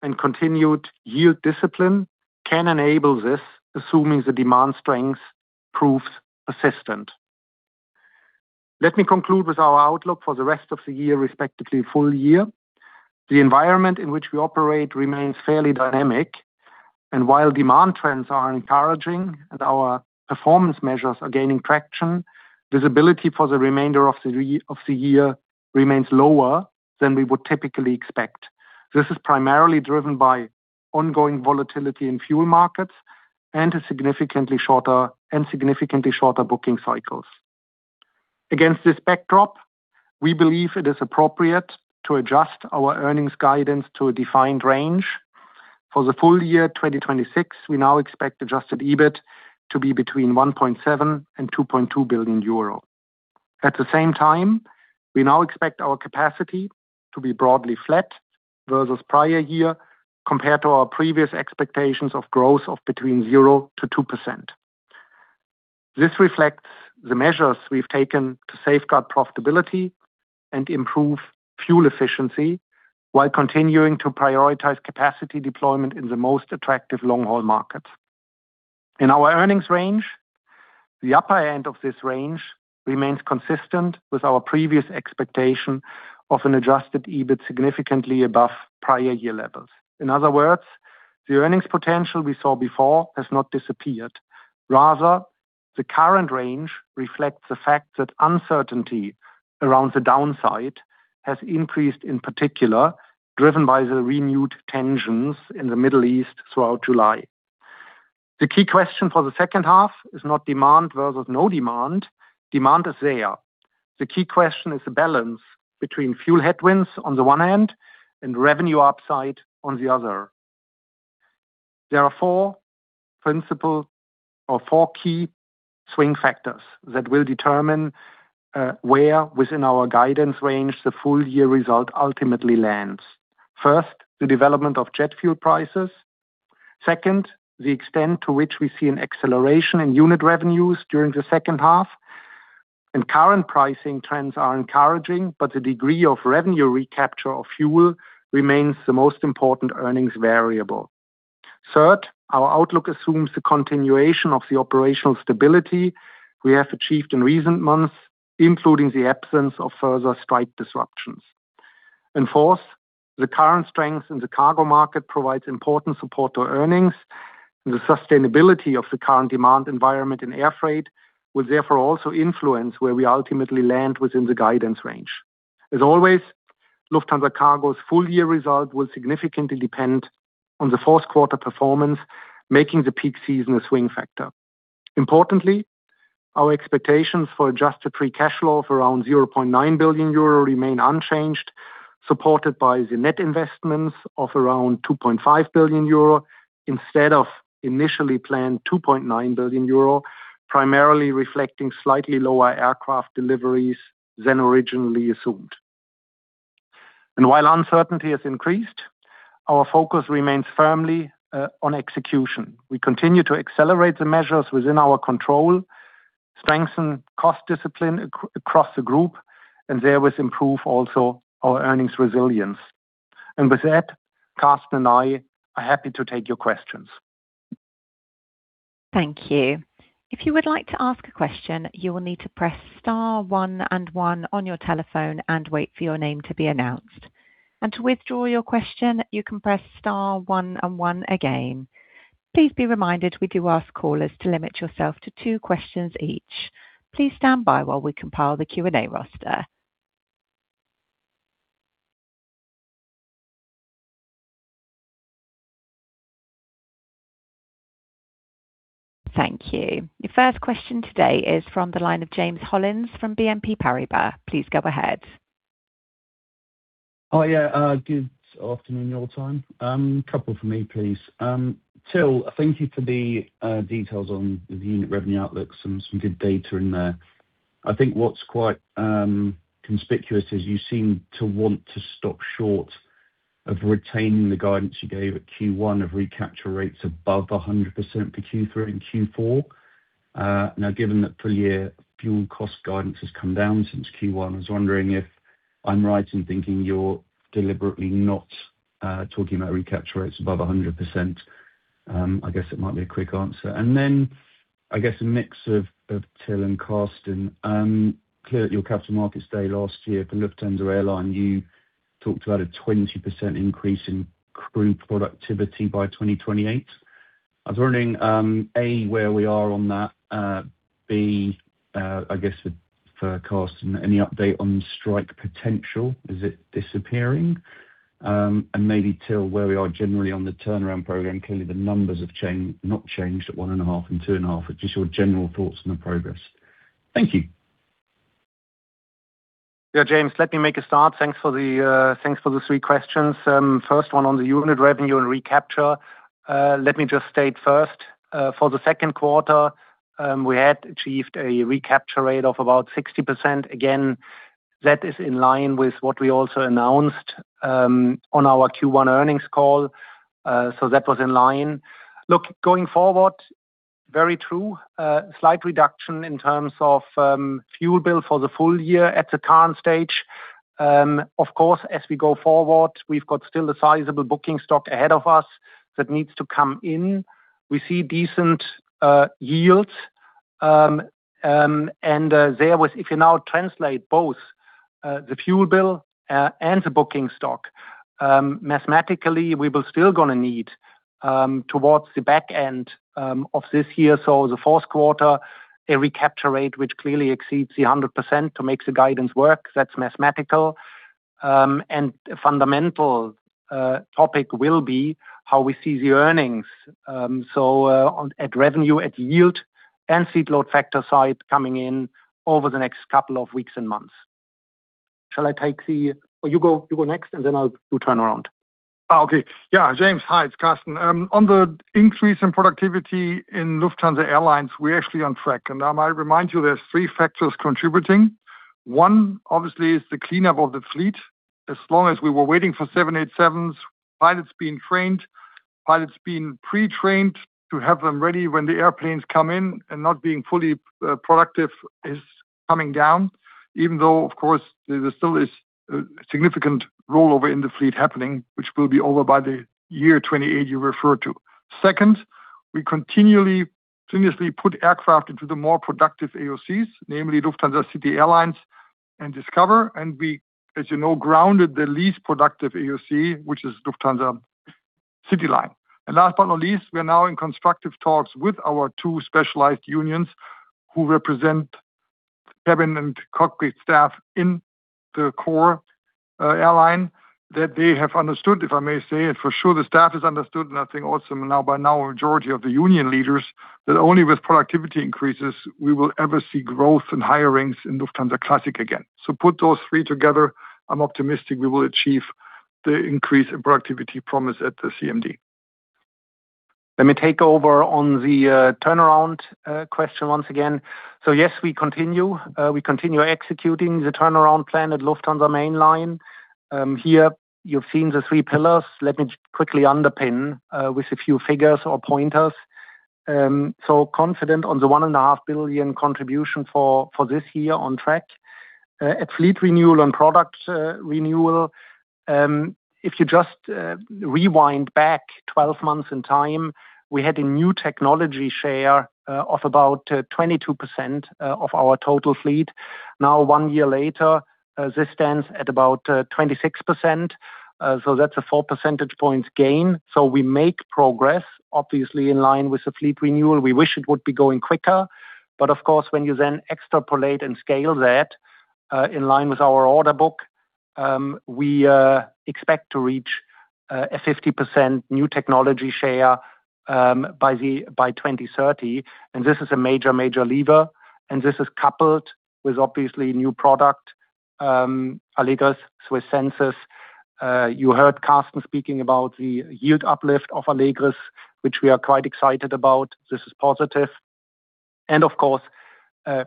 and continued yield discipline can enable this, assuming the demand strength proves persistent. Let me conclude with our outlook for the rest of the year, respectively, full year. The environment in which we operate remains fairly dynamic. While demand trends are encouraging and our performance measures are gaining traction, visibility for the remainder of the year remains lower than we would typically expect. This is primarily driven by ongoing volatility in fuel markets and significantly shorter booking cycles. Against this backdrop, we believe it is appropriate to adjust our earnings guidance to a defined range. For the full year 2026, we now expect adjusted EBIT to be between 1.7 billion and 2.2 billion euro. At the same time, we now expect our capacity to be broadly flat versus the prior year compared to our previous expectations of growth of between 0% to 2%. This reflects the measures we've taken to safeguard profitability and improve fuel efficiency while continuing to prioritize capacity deployment in the most attractive long-haul markets. In our earnings range, the upper end of this range remains consistent with our previous expectation of an adjusted EBIT significantly above prior year levels. In other words, the earnings potential we saw before has not disappeared. Rather, the current range reflects the fact that uncertainty around the downside has increased in particular, driven by the renewed tensions in the Middle East throughout July. The key question for the second half is not demand versus no demand. Demand is there. The key question is the balance between fuel headwinds on the one hand and revenue upside on the other. There are four key swing factors that will determine where within our guidance range the full-year result ultimately lands. First, the development of jet fuel prices. Second, the extent to which we see an acceleration in unit revenues during the second half, and current pricing trends are encouraging, but the degree of revenue recapture of fuel remains the most important earnings variable. Third, our outlook assumes the continuation of the operational stability we have achieved in recent months, including the absence of further strike disruptions. Fourth, the current strength in the cargo market provides important support to earnings and the sustainability of the current demand environment in air freight will therefore also influence where we ultimately land within the guidance range. As always, Lufthansa Cargo's full-year result will significantly depend on the fourth quarter performance, making the peak season a swing factor. Importantly, our expectations for adjusted free cash flow of around 0.9 billion euro remain unchanged, supported by the net investments of around 2.5 billion euro instead of initially planned 2.9 billion euro, primarily reflecting slightly lower aircraft deliveries than originally assumed. While uncertainty has increased, our focus remains firmly on execution. We continue to accelerate the measures within our control, strengthen cost discipline across the group, and therewith improve also our earnings resilience. With that, Carsten and I are happy to take your questions. Thank you. If you would like to ask a question, you will need to press star one and one on your telephone and wait for your name to be announced. To withdraw your question, you can press star one and one again. Please be reminded, we do ask callers to limit yourself to two questions each. Please stand by while we compile the Q&A roster. Thank you. Your first question today is from the line of James Hollins from BNP Paribas. Please go ahead. Oh, yeah. Good afternoon your time. Couple for me, please. Till, thank you for the details on the unit revenue outlook, some good data in there. I think what's quite conspicuous is you seem to want to stop short of retaining the guidance you gave at Q1 of recapture rates above 100% for Q3 and Q4. Given that full-year fuel cost guidance has come down since Q1, I was wondering if I'm right in thinking you're deliberately not talking about recapture rates above 100%? I guess it might be a quick answer. Then, I guess a mix of Till and Carsten. Clear at your Capital Markets Day last year for Lufthansa Airlines, you talked about a 20% increase in crew productivity by 2028. I was wondering, A, where we are on that? B, I guess for Carsten, any update on strike potential? Is it disappearing? Maybe Till, where we are generally on the turnaround program. Clearly, the numbers have not changed at 1.5 billion and 2.5 billion, but just your general thoughts on the progress. Thank you. Yeah, James, let me make a start. Thanks for the three questions. First one on the unit revenue and recapture. Let me just state first, for the second quarter, we had achieved a recapture rate of about 60%. Again, that is in line with what we also announced on our Q1 earnings call. That was in line. Look, going forward, very true. Slight reduction in terms of fuel bill for the full-year at the current stage. Of course, as we go forward, we've got still a sizable booking stock ahead of us that needs to come in. We see decent yields, and there was, if you now translate both the fuel bill and the booking stock, mathematically, we will still going to need towards the back end of this year. The fourth quarter, a recapture rate, which clearly exceeds the 100% to make the guidance work. That's mathematical. Fundamental topic will be how we see the earnings. At revenue, at yield, and load factor side coming in over the next couple of weeks and months. Shall I take or you go next, and then I'll do turnaround. Okay. Yeah, James. Hi, it's Carsten. On the increase in productivity in Lufthansa Airlines, we're actually on track. I might remind you there's three factors contributing. One, obviously, is the cleanup of the fleet. As long as we were waiting for 787s, pilots being trained, pilots being pre-trained to have them ready when the airplanes come in and not being fully productive is coming down, even though, of course, there still is a significant rollover in the fleet happening, which will be over by the year 2028 you referred to. Second, we continuously put aircraft into the more productive AOCs, namely Lufthansa City Airlines and Discover Airlines, and we, as you know, grounded the least productive AOC, which is Lufthansa CityLine. Last but not least, we are now in constructive talks with our two specialized unions, who represent cabin and cockpit staff in the core airline, that they have understood, if I may say, and for sure the staff has understood, and I think also by now a majority of the union leaders, that only with productivity increases we will ever see growth and hirings in Lufthansa Classic again. Put those three together, I'm optimistic we will achieve the increase in productivity promised at the CMD. Let me take over on the turnaround question once again. Yes, we continue. We continue executing the turnaround plan at Lufthansa mainline. Here, you've seen the three pillars. Let me quickly underpin with a few figures or pointers. Confident on the 1.5 billion contribution for this year on track. At fleet renewal and product renewal, if you just rewind back 12 months in time, we had a new technology share of about 22% of our total fleet. Now, one year later, this stands at about 26%, so that's a four percentage points gain. We make progress, obviously in line with the fleet renewal. We wish it would be going quicker, but of course, when you then extrapolate and scale that, in line with our order book, we expect to reach a 50% new technology share by 2030. This is a major lever, and this is coupled with obviously new product, Lufthansa Allegris, SWISS Senses. You heard Carsten speaking about the yield uplift of Lufthansa Allegris, which we are quite excited about. This is positive. Of course,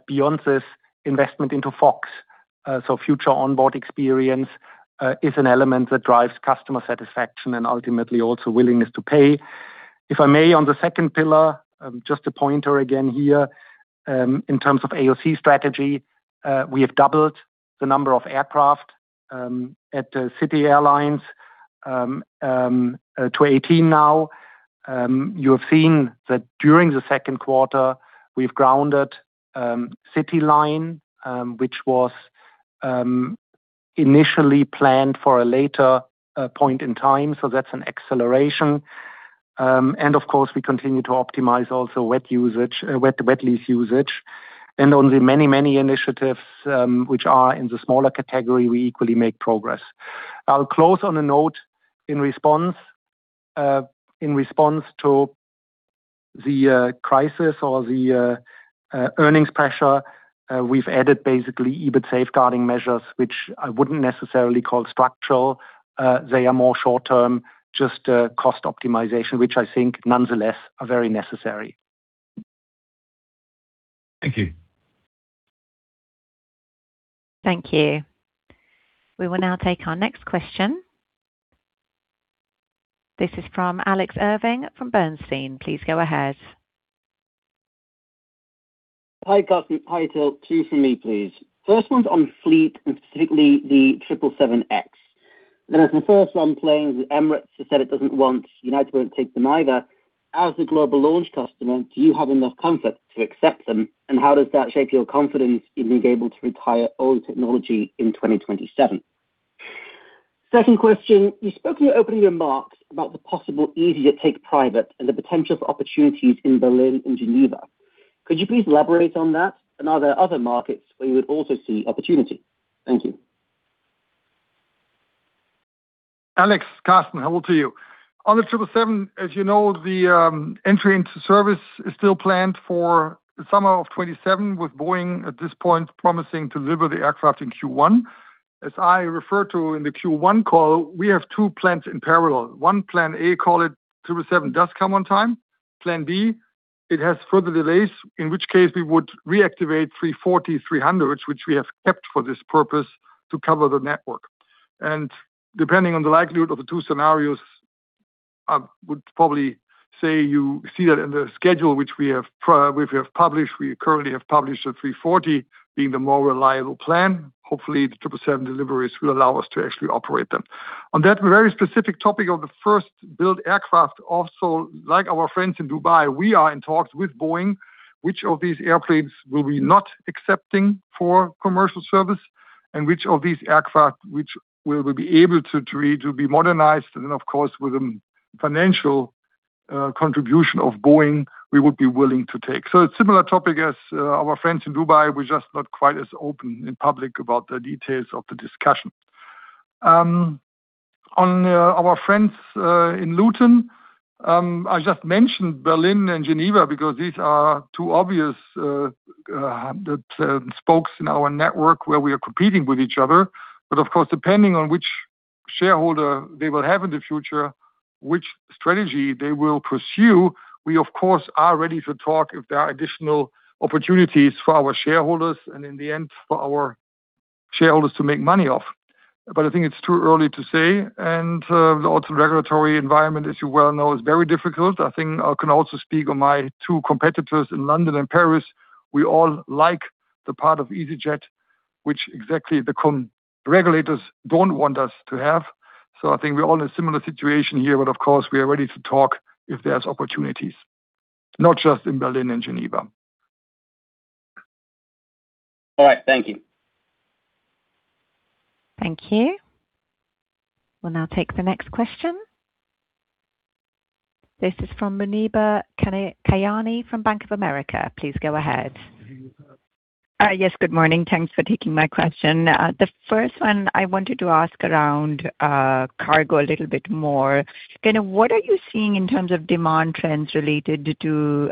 beyond this, investment into FOX. Future onboard experience is an element that drives customer satisfaction and ultimately also willingness to pay. If I may, on the second pillar, just a pointer again here, in terms of AOC strategy, we have doubled the number of aircraft at Lufthansa City Airlines to 18 now. You have seen that during the second quarter, we've grounded Lufthansa CityLine, which was initially planned for a later point in time, so that's an acceleration. Of course, we continue to optimize also wet lease usage. On the many initiatives which are in the smaller category, we equally make progress. I'll close on a note, in response to the crisis or the earnings pressure, we've added basically EBIT safeguarding measures, which I wouldn't necessarily call structural. They are more short-term, just cost optimization, which I think nonetheless are very necessary. Thank you. Thank you. We will now take our next question. This is from Alex Irving from Bernstein. Please go ahead. Hi, Carsten. Hi, Till. Two from me, please. First one's on fleet, and specifically the 777X. As the first one planes with Emirates has said it doesn't want, United Airlines won't take them either. As the global launch customer, do you have enough comfort to accept them? How does that shape your confidence in being able to retire old technology in 2027? Second question, you spoke in your opening remarks about the possible easyJet [inaudible] and the potential for opportunities in Berlin and Geneva. Could you please elaborate on that? Are there other markets where you would also see opportunity? Thank you. Alex, Carsten. Hello to you. On the 777, as you know, the entry into service is still planned for the summer of 2027, with Boeing at this point promising to deliver the aircraft in Q1. As I referred to in the Q1 call, we have two plans in parallel. One Plan A, call it, 777 does come on time. Plan B, it has further delays, in which case we would reactivate A340-300, which we have kept for this purpose to cover the network. Depending on the likelihood of the two scenarios, I would probably say you see that in the schedule which we have published. We currently have published a A340 being the more reliable plan. Hopefully, the 777 deliveries will allow us to actually operate them. On that very specific topic of the first build aircraft, also, like our friends in Dubai, we are in talks with Boeing, which of these airplanes will we not accepting for commercial service and which of these aircraft will be able to be modernized, and then, of course, with the financial contribution of Boeing, we would be willing to take. A similar topic as our friends in Dubai, we're just not quite as open in public about the details of the discussion. On our friends in Luton, I just mentioned Berlin and Geneva because these are two obvious spokes in our network where we are competing with each other. Of course, depending on which shareholder they will have in the future, which strategy they will pursue. We, of course, are ready to talk if there are additional opportunities for our shareholders, and in the end, for our shareholders to make money off. I think it's too early to say, and also the regulatory environment, as you well know, is very difficult. I think I can also speak on my two competitors in London and Paris. We all like the part of easyJet, which exactly the regulators don't want us to have. I think we're all in a similar situation here, of course, we are ready to talk if there's opportunities, not just in Berlin and Geneva. All right. Thank you. Thank you. We'll now take the next question. This is from Muneeba Kayani from Bank of America. Please go ahead. Yes, good morning. Thanks for taking my question. The first one I wanted to ask around cargo a little bit more. What are you seeing in terms of demand trends related to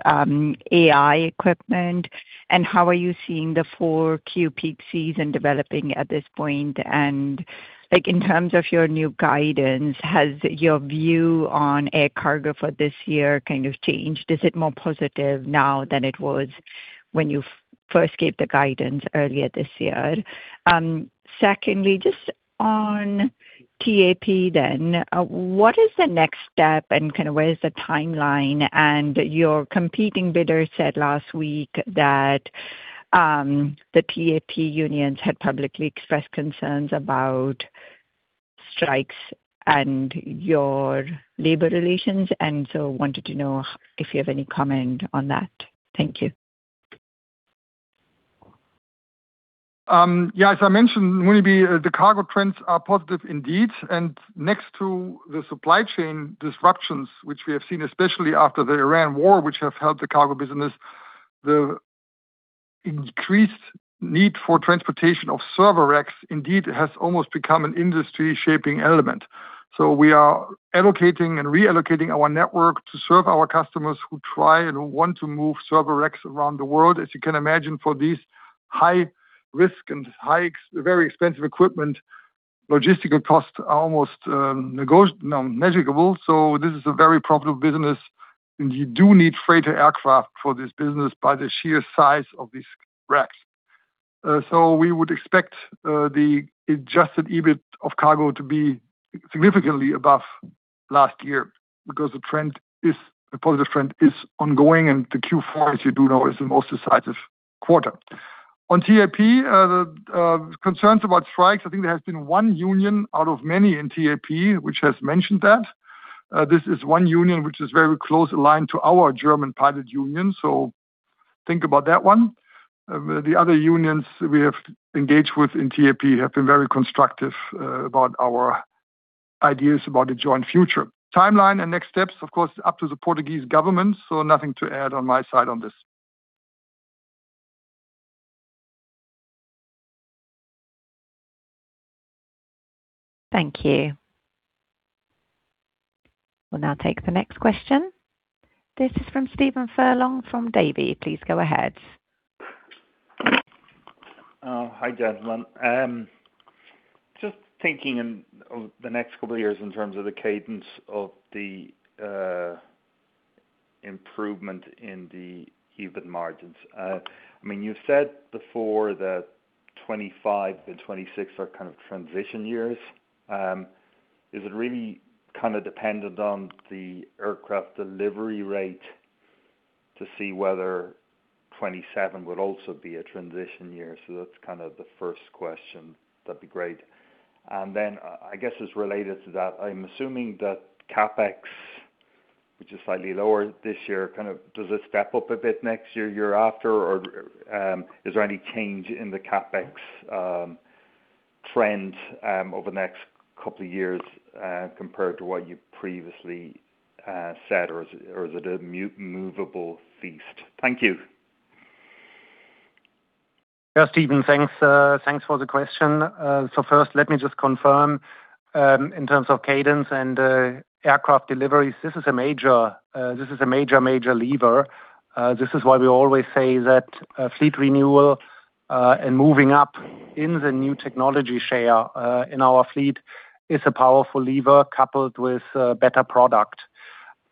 AI equipment, and how are you seeing the 4Q peak season developing at this point? In terms of your new guidance, has your view on air cargo for this year changed? Is it more positive now than it was when you first gave the guidance earlier this year? Secondly, just on TAP then, what is the next step and where is the timeline? Your competing bidder said last week that the TAP unions had publicly expressed concerns about strikes and your labor relations, wanted to know if you have any comment on that. Thank you. Yeah, as I mentioned, Muneeba, the cargo trends are positive indeed. Next to the supply chain disruptions, which we have seen, especially after the Iran war, which have helped the cargo business, the increased need for transportation of server racks indeed has almost become an industry-shaping element. We are allocating and reallocating our network to serve our customers who try and who want to move server racks around the world. As you can imagine, for these high-risk and very expensive equipment, logistical costs are almost immeasurable, so this is a very profitable business. You do need freighter aircraft for this business by the sheer size of these racks. We would expect the adjusted EBIT of cargo to be significantly above last year because the positive trend is ongoing and the Q4, as you do know, is the most decisive quarter. On TAP, concerns about strikes, I think there has been one union out of many in TAP which has mentioned that. This is one union which is very closely aligned to our German pilot union, so think about that one. The other unions we have engaged with in TAP have been very constructive about our ideas about the joint future. Timeline and next steps, of course, up to the Portuguese government, so nothing to add on my side on this. Thank you. We'll now take the next question. This is from Stephen Furlong from Davy. Please go ahead. Hi, gentlemen. Just thinking over the next couple of years in terms of the cadence of the improvement in the EBIT margins. You said before that 2025 and 2026 are transition years. Is it really dependent on the aircraft delivery rate to see whether 2027 would also be a transition year? That's the first question. That'd be great. I guess it's related to that. I'm assuming that CapEx, which is slightly lower this year, does it step up a bit next year after or is there any change in the CapEx trend over the next couple of years compared to what you previously said, or is it a moveable feast? Thank you. Yeah, Stephen, thanks for the question. First, let me just confirm, in terms of cadence and aircraft deliveries, this is a major lever. This is why we always say that fleet renewal and moving up in the new technology share in our fleet is a powerful lever coupled with better product.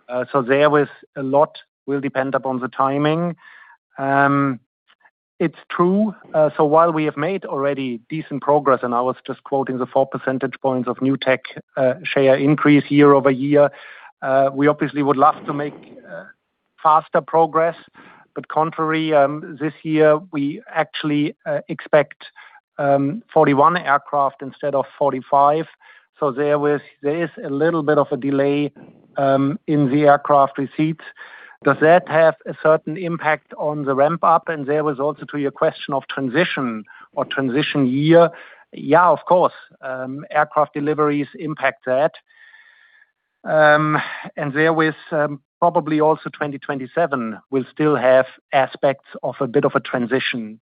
There with a lot will depend upon the timing. It's true. While we have made already decent progress, and I was just quoting the 4 percentage points of new tech share increase year-over-year, we obviously would love to make faster progress. Contrary, this year, we actually expect 41 aircraft instead of 45. There is a little bit of a delay in the aircraft receipts. Does that have a certain impact on the ramp-up? There was also to your question of transition or transition year. Yeah, of course. Aircraft deliveries impact that. There with probably also 2027 will still have aspects of a bit of a transition.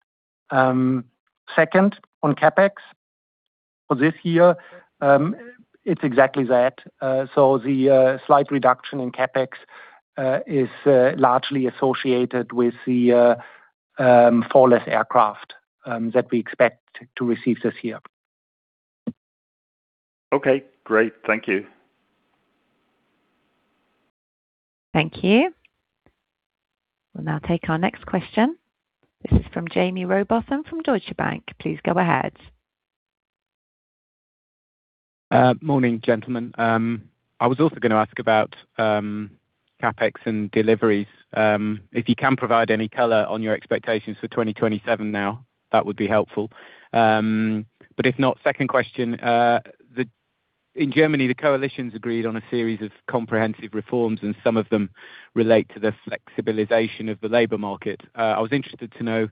Second, on CapEx for this year, it's exactly that. The slight reduction in CapEx is largely associated with the four less aircraft that we expect to receive this year. Okay, great. Thank you. Thank you. We will now take our next question. This is from Jaime Rowbotham from Deutsche Bank. Please go ahead. Morning, gentlemen. I was also going to ask about CapEx and deliveries. If you can provide any color on your expectations for 2027 now, that would be helpful. If not, second question, in Germany, the coalition has agreed on a series of comprehensive reforms, and some of them relate to the flexibilization of the labor market. I was interested to know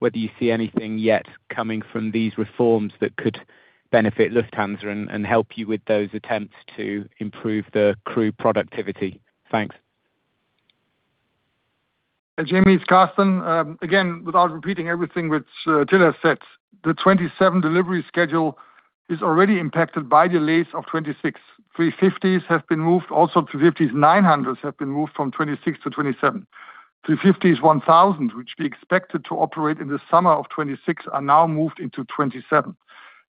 whether you see anything yet coming from these reforms that could benefit Lufthansa and help you with those attempts to improve the crew productivity. Thanks. Jaime, it's Carsten. Again, without repeating everything which Till has said, the 2027 delivery schedule is already impacted by delays of 2026. A350s have been moved, also A350-900s have been moved from 2026 to 2027. A350-1000s, which we expected to operate in the summer of 2026, are now moved into 2027.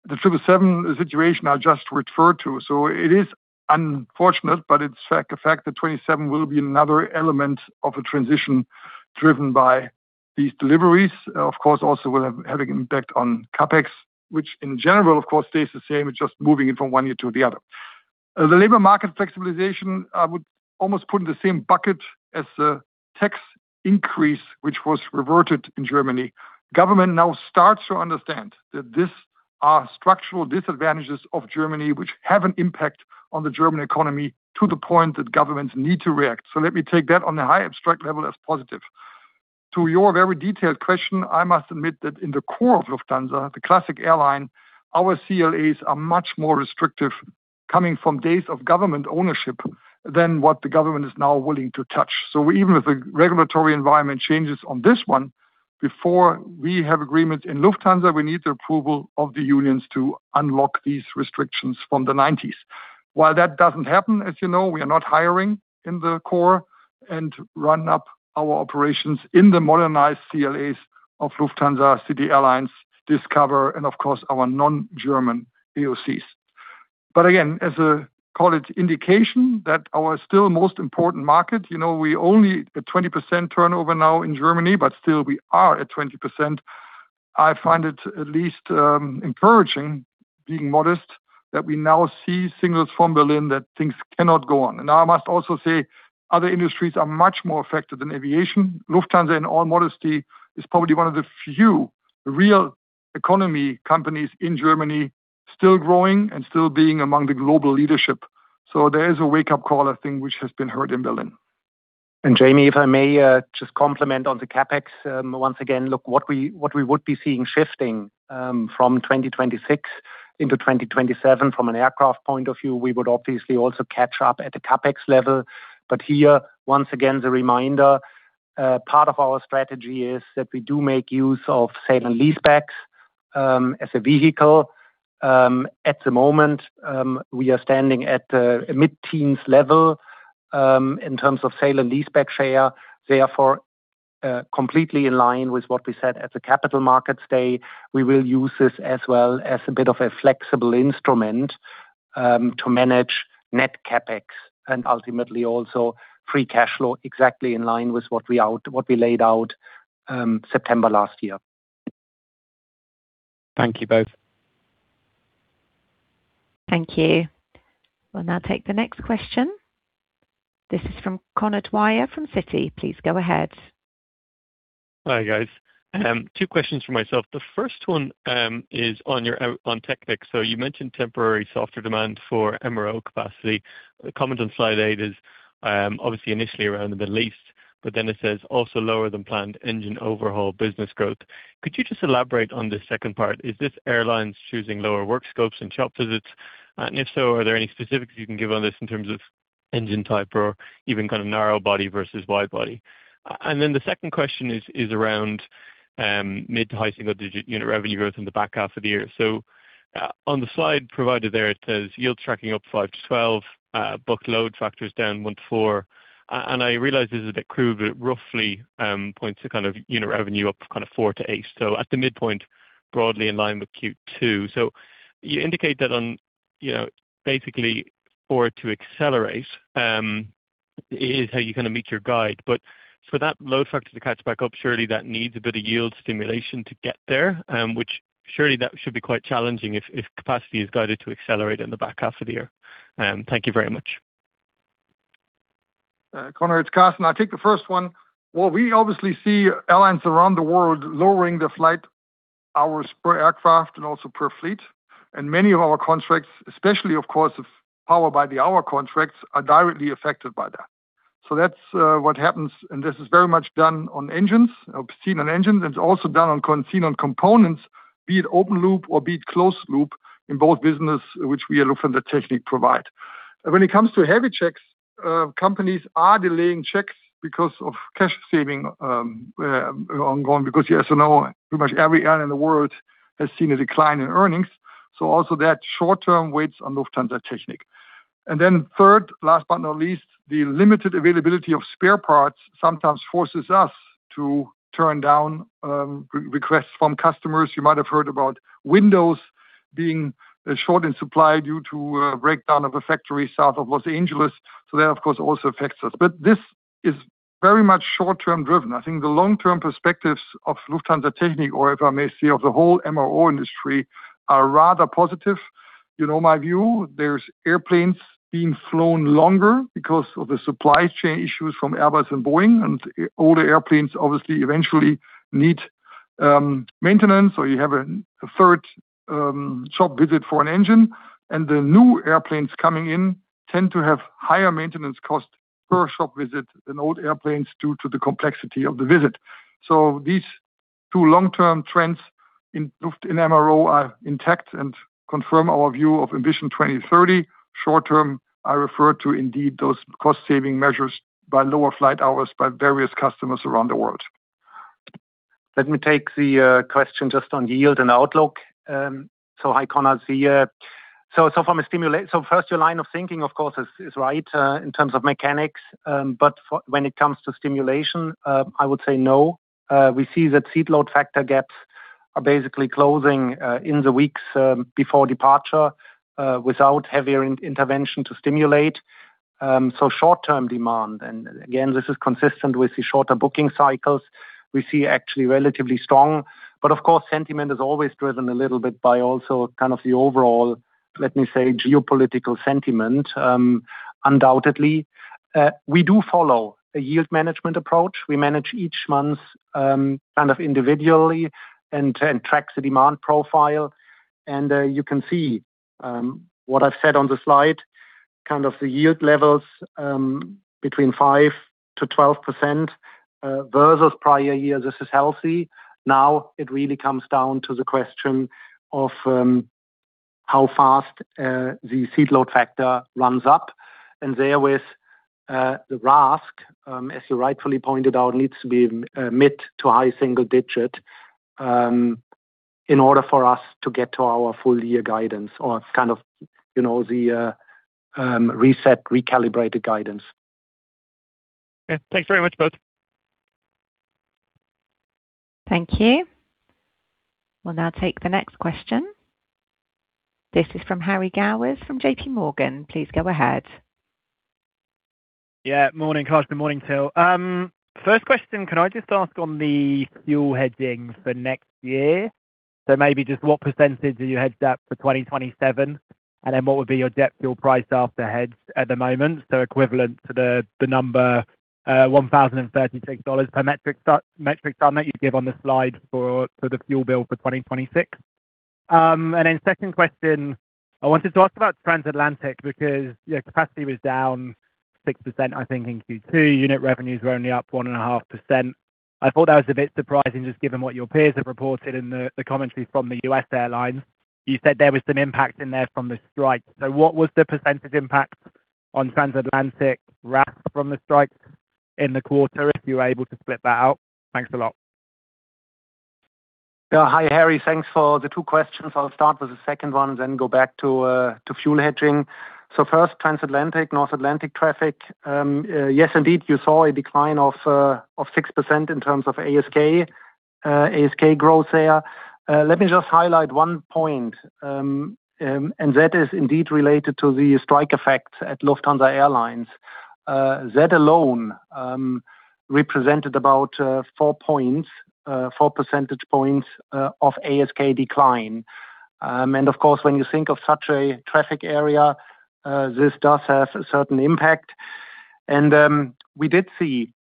The 777 situation I just referred to. It is unfortunate, but it's a fact that 2027 will be another element of a transition driven by these deliveries. Of course, also will have an impact on CapEx, which in general, of course, stays the same. It's just moving it from one year to the other. The labor market flexibilization, I would almost put in the same bucket as the tax increase, which was reverted in Germany. Government now starts to understand that these are structural disadvantages of Germany, which have an impact on the German economy to the point that governments need to react. Let me take that on a high abstract level as positive. To your very detailed question, I must admit that in the core of Lufthansa, the classic airline, our CLAs are much more restrictive coming from days of government ownership than what the government is now willing to touch. Even if the regulatory environment changes on this one, before we have agreement in Lufthansa, we need the approval of the unions to unlock these restrictions from the 1990s. While that doesn't happen, as you know, we are not hiring in the core and run up our operations in the modernized CLAs of Lufthansa City Airlines, Discover Airlines, and of course, our non-German AOCs. Again, as a call it indication that our still most important market, we only at 20% turnover now in Germany, but still we are at 20%. I find it at least encouraging, being modest, that we now see signals from Berlin that things cannot go on. I must also say, other industries are much more affected than aviation. Lufthansa, in all modesty, is probably one of the few real economy companies in Germany still growing and still being among the global leadership. There is a wake-up call, I think, which has been heard in Berlin. Jaime, if I may just complement on the CapEx. Once again, look, what we would be seeing shifting from 2026 into 2027 from an aircraft point of view, we would obviously also catch up at the CapEx level. Here, once again, the reminder, part of our strategy is that we do make use of sale and leasebacks as a vehicle. At the moment, we are standing at a mid-teens level in terms of sale and leaseback share. Therefore, completely in line with what we said at the Capital Markets Day, we will use this as well as a bit of a flexible instrument to manage net CapEx and ultimately also free cash flow, exactly in line with what we laid out September last year. Thank you both. Thank you. We'll now take the next question. This is from Conor Dwyer from Citi. Please go ahead. Hi, guys. Two questions from myself. The first one is on Lufthansa Technik. You mentioned temporary softer demand for MRO capacity. The comment on slide eight is obviously initially around the Middle East, it says, "Also lower than planned engine overhaul business growth." Could you just elaborate on this second part? Is this airlines choosing lower work scopes and shop visits? If so, are there any specifics you can give on this in terms of engine type or even narrow body versus wide body? The second question is around mid to high single-digit unit revenue growth in the back half of the year. On the slide provided there, it says yield tracking up 5%-12%, buck load factors down 1%-4%. I realize this is a bit crude, but it roughly points to unit revenue up 4%-8%. At the midpoint, broadly in line with Q2. You indicate that, basically for it to accelerate, is how you're going to meet your guide. For that load factor to catch back up, surely that needs a bit of yield stimulation to get there, which surely that should be quite challenging if capacity is guided to accelerate in the back half of the year. Thank you very much. Conor, it's Carsten. I'll take the first one. Well, we obviously see airlines around the world lowering their flight hours per aircraft and also per fleet. Many of our contracts, especially of course, Power by the Hour contracts, are directly affected by that. That's what happens, and this is very much seen on engines. It's also seen on components, be it open loop or be it closed loop in both businesses, which we at Lufthansa Technik provide. When it comes to heavy checks, companies are delaying checks because of cash saving ongoing, because as you know, pretty much every airline in the world has seen a decline in earnings. Also, that short-term weighs on Lufthansa Technik. Third, last but not least, the limited availability of spare parts sometimes forces us to turn down requests from customers. You might have heard about windows being short in supply due to a breakdown of a factory south of Los Angeles. That, of course, also affects us. This is very much short-term driven. I think the long-term perspectives of Lufthansa Technik, or if I may say, of the whole MRO industry, are rather positive. You know my view. There's airplanes being flown longer because of the supply chain issues from Airbus and Boeing, and older airplanes obviously eventually need maintenance, or you have a third shop visit for an engine, and the new airplanes coming in tend to have higher maintenance cost per shop visit than old airplanes due to the complexity of the visit. These two long-term trends in MRO are intact and confirm our view of Ambition 2030. Short term, I refer to indeed those cost saving measures by lower flight hours by various customers around the world. Let me take the question just on yield and outlook. Hi, Conor. First, your line of thinking, of course, is right in terms of mechanics. When it comes to stimulation, I would say no. We see that seat load factor gaps are basically closing in the weeks before departure without heavier intervention to stimulate. Short-term demand, and again, this is consistent with the shorter booking cycles we see actually relatively strong. Of course, sentiment is always driven a little bit by also the overall, let me say, geopolitical sentiment, undoubtedly. We do follow a yield management approach. We manage each month kind of individually and track the demand profile. You can see what I've said on the slide, the yield levels between 5%-12% versus prior years. This is healthy. It really comes down to the question of how fast the seat load factor runs up. There with the RASK, as you rightfully pointed out, needs to be mid to high single digit in order for us to get to our full year guidance or the reset, recalibrated guidance. Okay. Thanks very much, both. Thank you. We'll now take the next question. This is from Harry Gowers, from JPMorgan. Please go ahead. Morning, Carsten. Good morning, Till. First question, can I just ask on the fuel hedging for next year? Maybe just what percentage are you hedged at for 2027? Then what would be your net fuel price after hedge at the moment? So equivalent to the number $1,036 per metric ton that you give on the slide for the fuel bill for 2026. Second question, I wanted to ask about Transatlantic because your capacity was down 6%, I think, in Q2. Unit revenues were only up 1.5%. I thought that was a bit surprising just given what your peers have reported in the commentary from the U.S. airlines. You said there was some impact in there from the strike. What was the percentage impact on Transatlantic RASK from the strikes in the quarter, if you were able to split that out? Thanks a lot. Hi, Harry. Thanks for the two questions. I will start with the second one, then go back to fuel hedging. First, Transatlantic, North Atlantic traffic. Yes, indeed, you saw a decline of 6% in terms of ASK growth there. Let me just highlight one point, and that is indeed related to the strike effect at Lufthansa Airlines. That alone represented about four percentage points of ASK decline. Of course, when you think of such a traffic area, this does have a certain impact. We did see,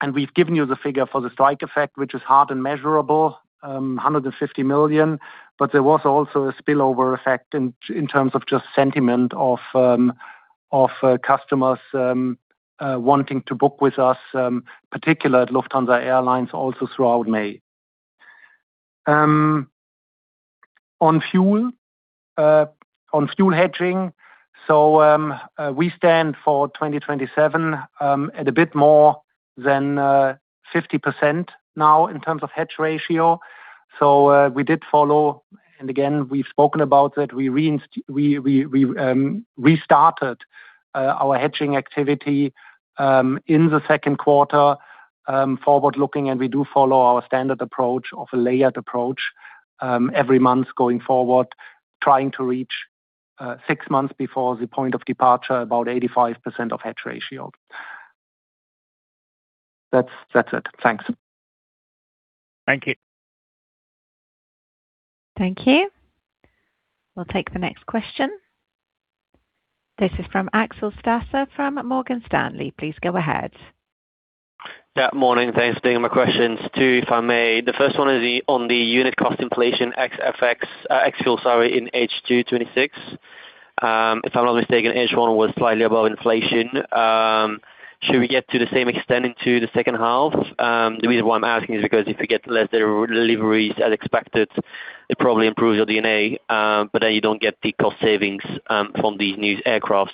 and we have given you the figure for the strike effect, which is hard and measurable, 150 million, but there was also a spillover effect in terms of just sentiment of customers wanting to book with us, particular at Lufthansa Airlines, also throughout May. On fuel hedging, we stand for 2027 at a bit more than 50% now in terms of hedge ratio. We did follow, and again, we have spoken about it. We restarted our hedging activity in the second quarter, forward looking, and we do follow our standard approach of a layered approach every month going forward, trying to reach six months before the point of departure, about 85% of hedge ratio. That's it. Thanks. Thank you. Thank you. We will take the next question. This is from Axel Stasse from Morgan Stanley. Please go ahead. Morning. Thanks. Taking my questions too, if I may. The first one is on the unit cost inflation ex fuel, sorry, in H2 2026. If I'm not mistaken, H1 was slightly above inflation. Should we get to the same extent into the second half? The reason why I'm asking is because if you get less deliveries as expected, it probably improves your D&A, but then you don't get the cost savings from these new aircraft.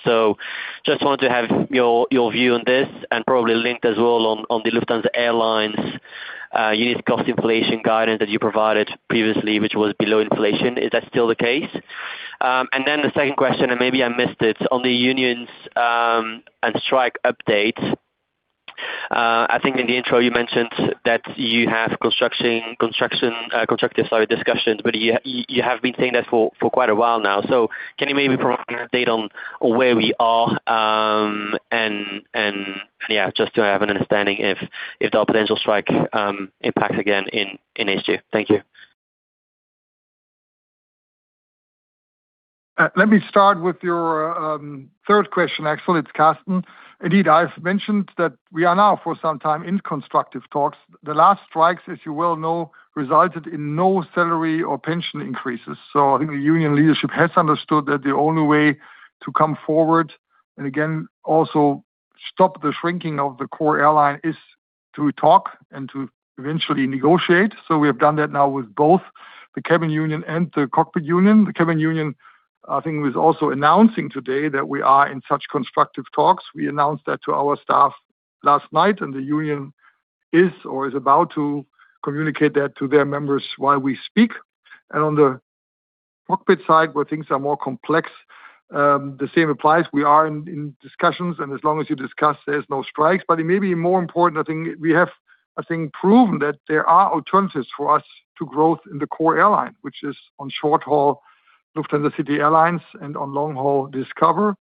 Just wanted to have your view on this and probably linked as well on the Lufthansa Airlines unit cost inflation guidance that you provided previously, which was below inflation, is that still the case? The second question, and maybe I missed it, on the unions and strike updates. I think in the intro you mentioned that you have constructive discussions, but you have been saying that for quite a while now. Can you maybe provide an update on where we are? Just to have an understanding if there are potential strike impacts again in H2. Thank you. Let me start with your third question, Axel. It's Carsten. Indeed, I've mentioned that we are now for some time in constructive talks. The last strikes, as you well know, resulted in no salary or pension increases. I think the union leadership has understood that the only way to come forward, and again, also stop the shrinking of the core airline, is to talk and to eventually negotiate. We have done that now with both the cabin union and the cockpit union. The cabin union, I think, was also announcing today that we are in such constructive talks. We announced that to our staff last night, and the union is or is about to communicate that to their members while we speak. On the cockpit side, where things are more complex, the same applies. We are in discussions, and as long as you discuss, there's no strikes. It may be more important, I think we have proven that there are alternatives for us to growth in the core airline, which is on short haul, Lufthansa City Airlines, and on long haul Discover Airlines,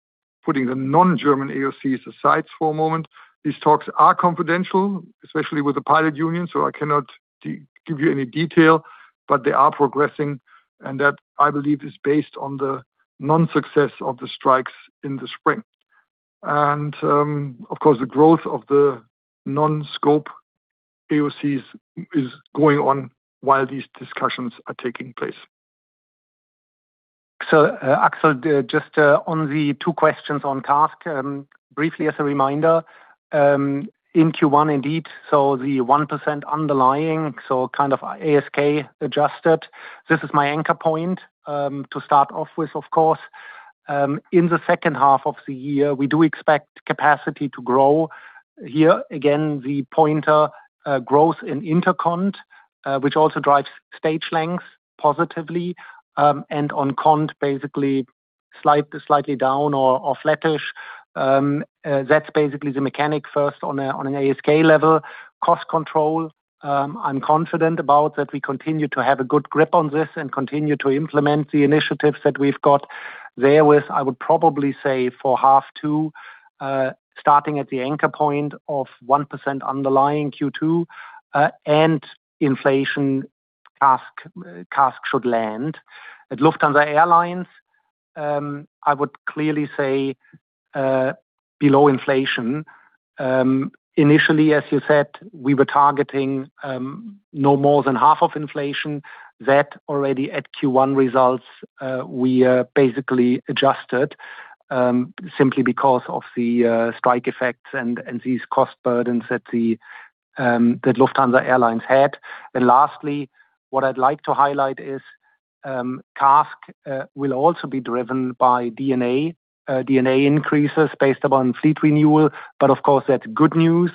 putting the non-German AOCs aside for a moment. These talks are confidential, especially with the pilot union, so I cannot give you any detail, but they are progressing, and that, I believe, is based on the non-success of the strikes in the spring. Of course, the growth of the non-scope AOCs is going on while these discussions are taking place. Axel, just on the two questions on CASK. Briefly as a reminder, in Q1, indeed, the 1% underlying, kind of ASK adjusted. This is my anchor point to start off with, of course. In the second half of the year, we do expect capacity to grow. Here again, the pointer growth in intercont, which also drives stage lengths positively, and on cont, basically slightly down or flattish. That's basically the mechanic first on an ASK level. Cost control, I'm confident about that we continue to have a good grip on this and continue to implement the initiatives that we've got. Therewith, I would probably say for half two, starting at the anchor point of 1% underlying Q2, inflation CASK should land. At Lufthansa Airlines, I would clearly say below inflation. Initially, as you said, we were targeting no more than half of inflation. That already at Q1 results, we basically adjusted, simply because of the strike effects and these cost burdens that Lufthansa Airlines had. Lastly, what I'd like to highlight is CASK will also be driven by D&A increases based upon fleet renewal. Of course, that's good news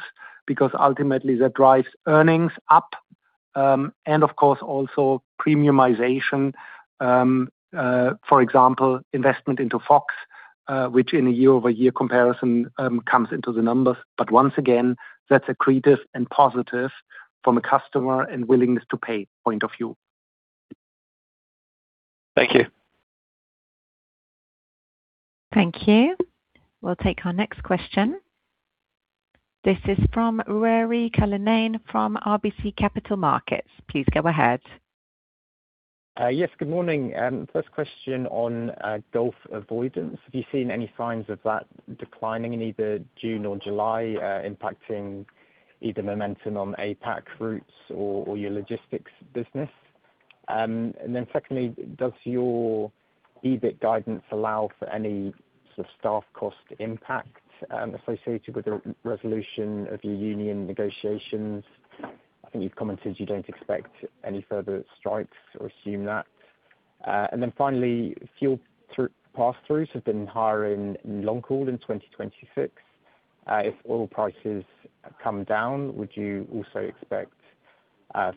because ultimately that drives earnings up. Of course, also premiumization. For example, investment into FOX, which in a year-over-year comparison comes into the numbers. Once again, that's accretive and positive from a customer and willingness to pay point of view. Thank you. Thank you. We'll take our next question. This is from Ruairi Cullinane from RBC Capital Markets. Please go ahead. Yes, good morning. First question on Gulf avoidance. Have you seen any signs of that declining in either June or July, impacting either momentum on APAC routes or your logistics business? Secondly, does your EBIT guidance allow for any staff cost impact associated with the resolution of your union negotiations? I think you've commented you don't expect any further strikes or assume that. Finally, fuel pass-throughs have been higher in long haul in 2026. If oil prices come down, would you also expect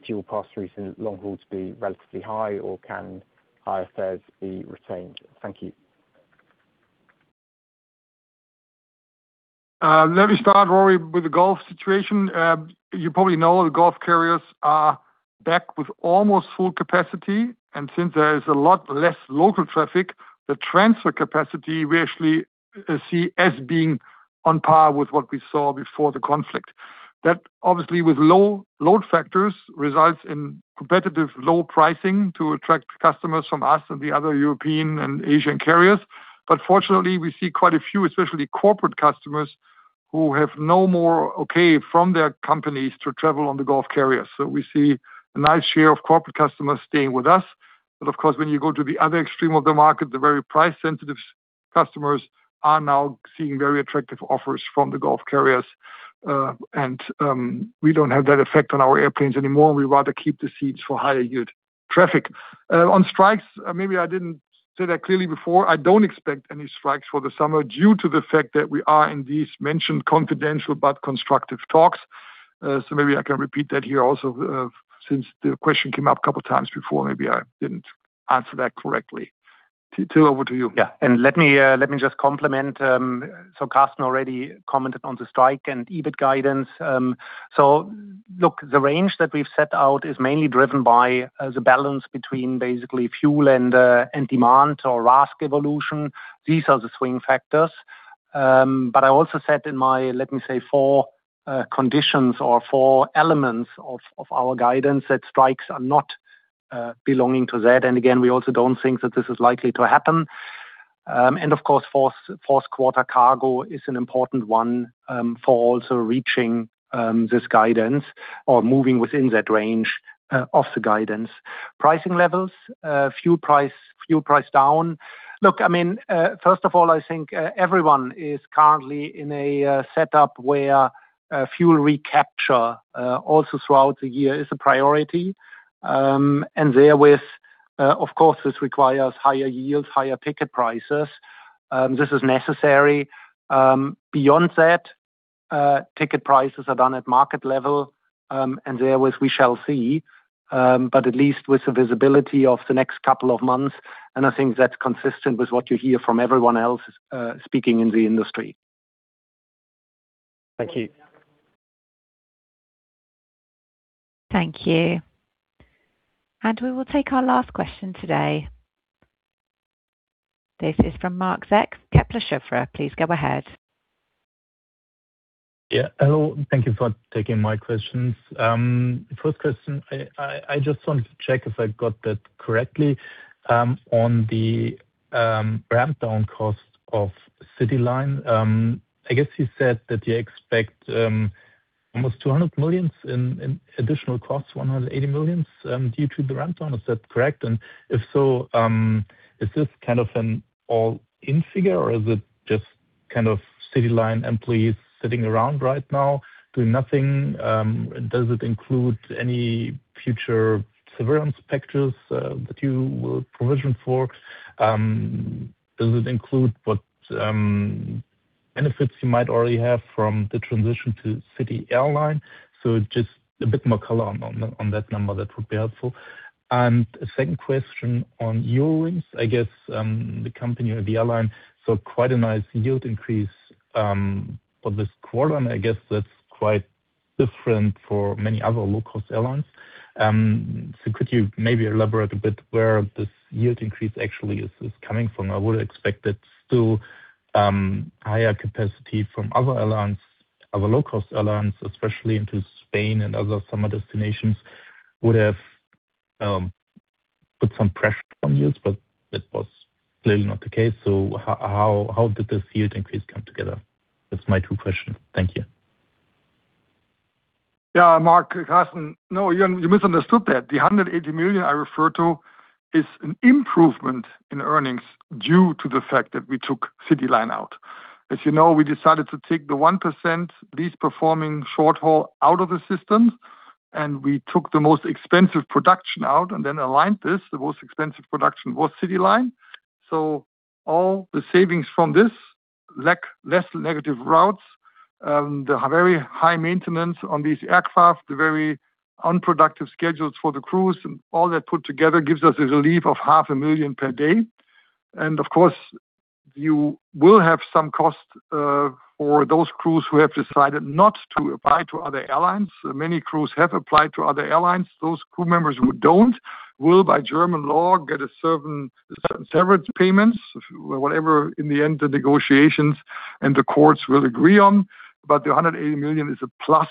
fuel pass-throughs in long haul to be relatively high, or can higher fares be retained? Thank you. Let me start, Ruairi, with the Gulf situation. You probably know the Gulf carriers are back with almost full capacity, since there is a lot less local traffic, the transfer capacity we actually see as being on par with what we saw before the conflict. That obviously with low load factors results in competitive low pricing to attract customers from us and the other European and Asian carriers. Fortunately, we see quite a few, especially corporate customers, who have no more okay from their companies to travel on the Gulf carriers. We see a nice share of corporate customers staying with us. Of course, when you go to the other extreme of the market, the very price-sensitive customers are now seeing very attractive offers from the Gulf carriers, and we don't have that effect on our airplanes anymore. We'd rather keep the seats for higher yield traffic. On strikes, maybe I didn't said that clearly before, I don't expect any strikes for the summer due to the fact that we are in these mentioned confidential but constructive talks. Maybe I can repeat that here also, since the question came up a couple of times before, maybe I didn't answer that correctly. Till, over to you. Let me just complement. Carsten already commented on the strike and EBIT guidance. The range that we've set out is mainly driven by the balance between basically fuel and demand or RASK evolution. These are the swing factors. I also said in my, let me say, four conditions or four elements of our guidance, that strikes are not belonging to that. Again, we also don't think that this is likely to happen. Of course, fourth quarter cargo is an important one for also reaching this guidance or moving within that range of the guidance. Pricing levels, fuel price down. First of all, I think everyone is currently in a setup where fuel recapture, also throughout the year, is a priority. Therewith, of course, this requires higher yields, higher ticket prices. This is necessary. Beyond that, ticket prices are done at market level, and therewith, we shall see, but at least with the visibility of the next couple of months, and I think that's consistent with what you hear from everyone else speaking in the industry. Thank you. Thank you. We will take our last question today. This is from Marc Zeck, Kepler Cheuvreux. Please go ahead. Hello. Thank you for taking my questions. First question, I just wanted to check if I got that correctly. On the ramp-down cost of Lufthansa CityLine. I guess you said that you expect almost 200 million in additional cost, 180 million, due to the ramp down. Is that correct? If so, is this an all-in figure, or is it just Lufthansa CityLine employees sitting around right now doing nothing? Does it include any future severance packages that you will provision for? Does it include what benefits you might already have from the transition to Lufthansa City Airlines? Just a bit more color on that number, that would be helpful. Second question on Eurowings. I guess, the company or the airline saw quite a nice yield increase for this quarter, and I guess that's quite different for many other low-cost airlines. Could you maybe elaborate a bit where this yield increase actually is coming from? I would expect that still higher capacity from other airlines, other low-cost airlines, especially into Spain and other summer destinations, would have put some pressure on yields, that was clearly not the case. How did this yield increase come together? That's my two questions. Thank you. Marc, Carsten. You misunderstood that. The 180 million I refer to is an improvement in earnings due to the fact that we took Lufthansa CityLine out. As you know, we decided to take the 1% least performing short haul out of the system, and we took the most expensive production out and then aligned this. The most expensive production was Lufthansa CityLine. All the savings from this, less negative routes, the very high maintenance on these aircraft, the very unproductive schedules for the crews, and all that put together gives us a relief of half a million per day. Of course, you will have some cost for those crews who have decided not to apply to other airlines. Many crews have applied to other airlines. Those crew members who don't will, by German law, get certain severance payments, whatever, in the end, the negotiations and the courts will agree on. The 180 million is a plus,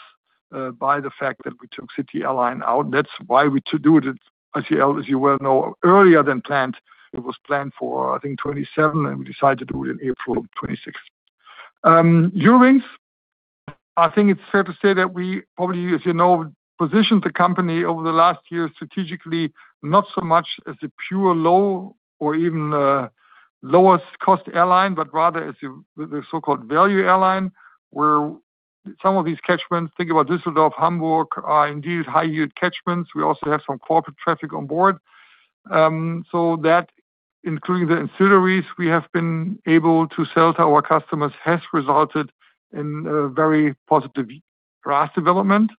by the fact that we took Lufthansa CityLine out. That's why we do it at ICL, as you well know, earlier than planned. It was planned for, I think, 2027, and we decided to do it in April of 2026. Eurowings, I think it's fair to say that we probably, as you know, positioned the company over the last year strategically, not so much as a pure low or even lowest cost airline, but rather as the so-called value airline, where some of these catchments, think about Düsseldorf, Hamburg, are indeed high yield catchments. We also have some corporate traffic on board. That, including the ancillaries we have been able to sell to our customers, has resulted in a very positive RASK development.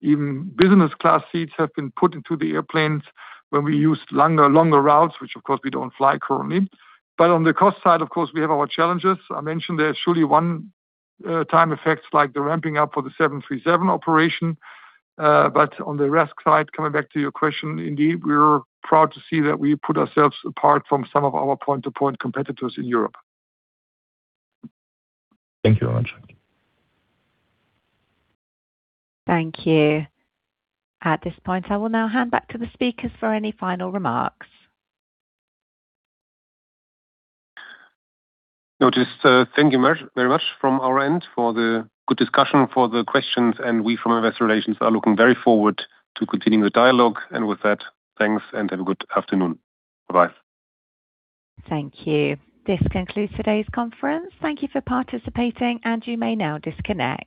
Even business class seats have been put into the airplanes when we used longer routes, which of course we don't fly currently. On the cost side, of course, we have our challenges. I mentioned there are surely one-time effects like the ramping up for the 737 operation. On the RASK side, coming back to your question, indeed, we're proud to see that we put ourselves apart from some of our point-to-point competitors in Europe. Thank you very much. Thank you. At this point, I will now hand back to the speakers for any final remarks. No, just thank you very much from our end for the good discussion, for the questions, and we from Investor Relations are looking very forward to continuing the dialogue. With that, thanks and have a good afternoon. Bye-bye. Thank you. This concludes today's conference. Thank you for participating, and you may now disconnect.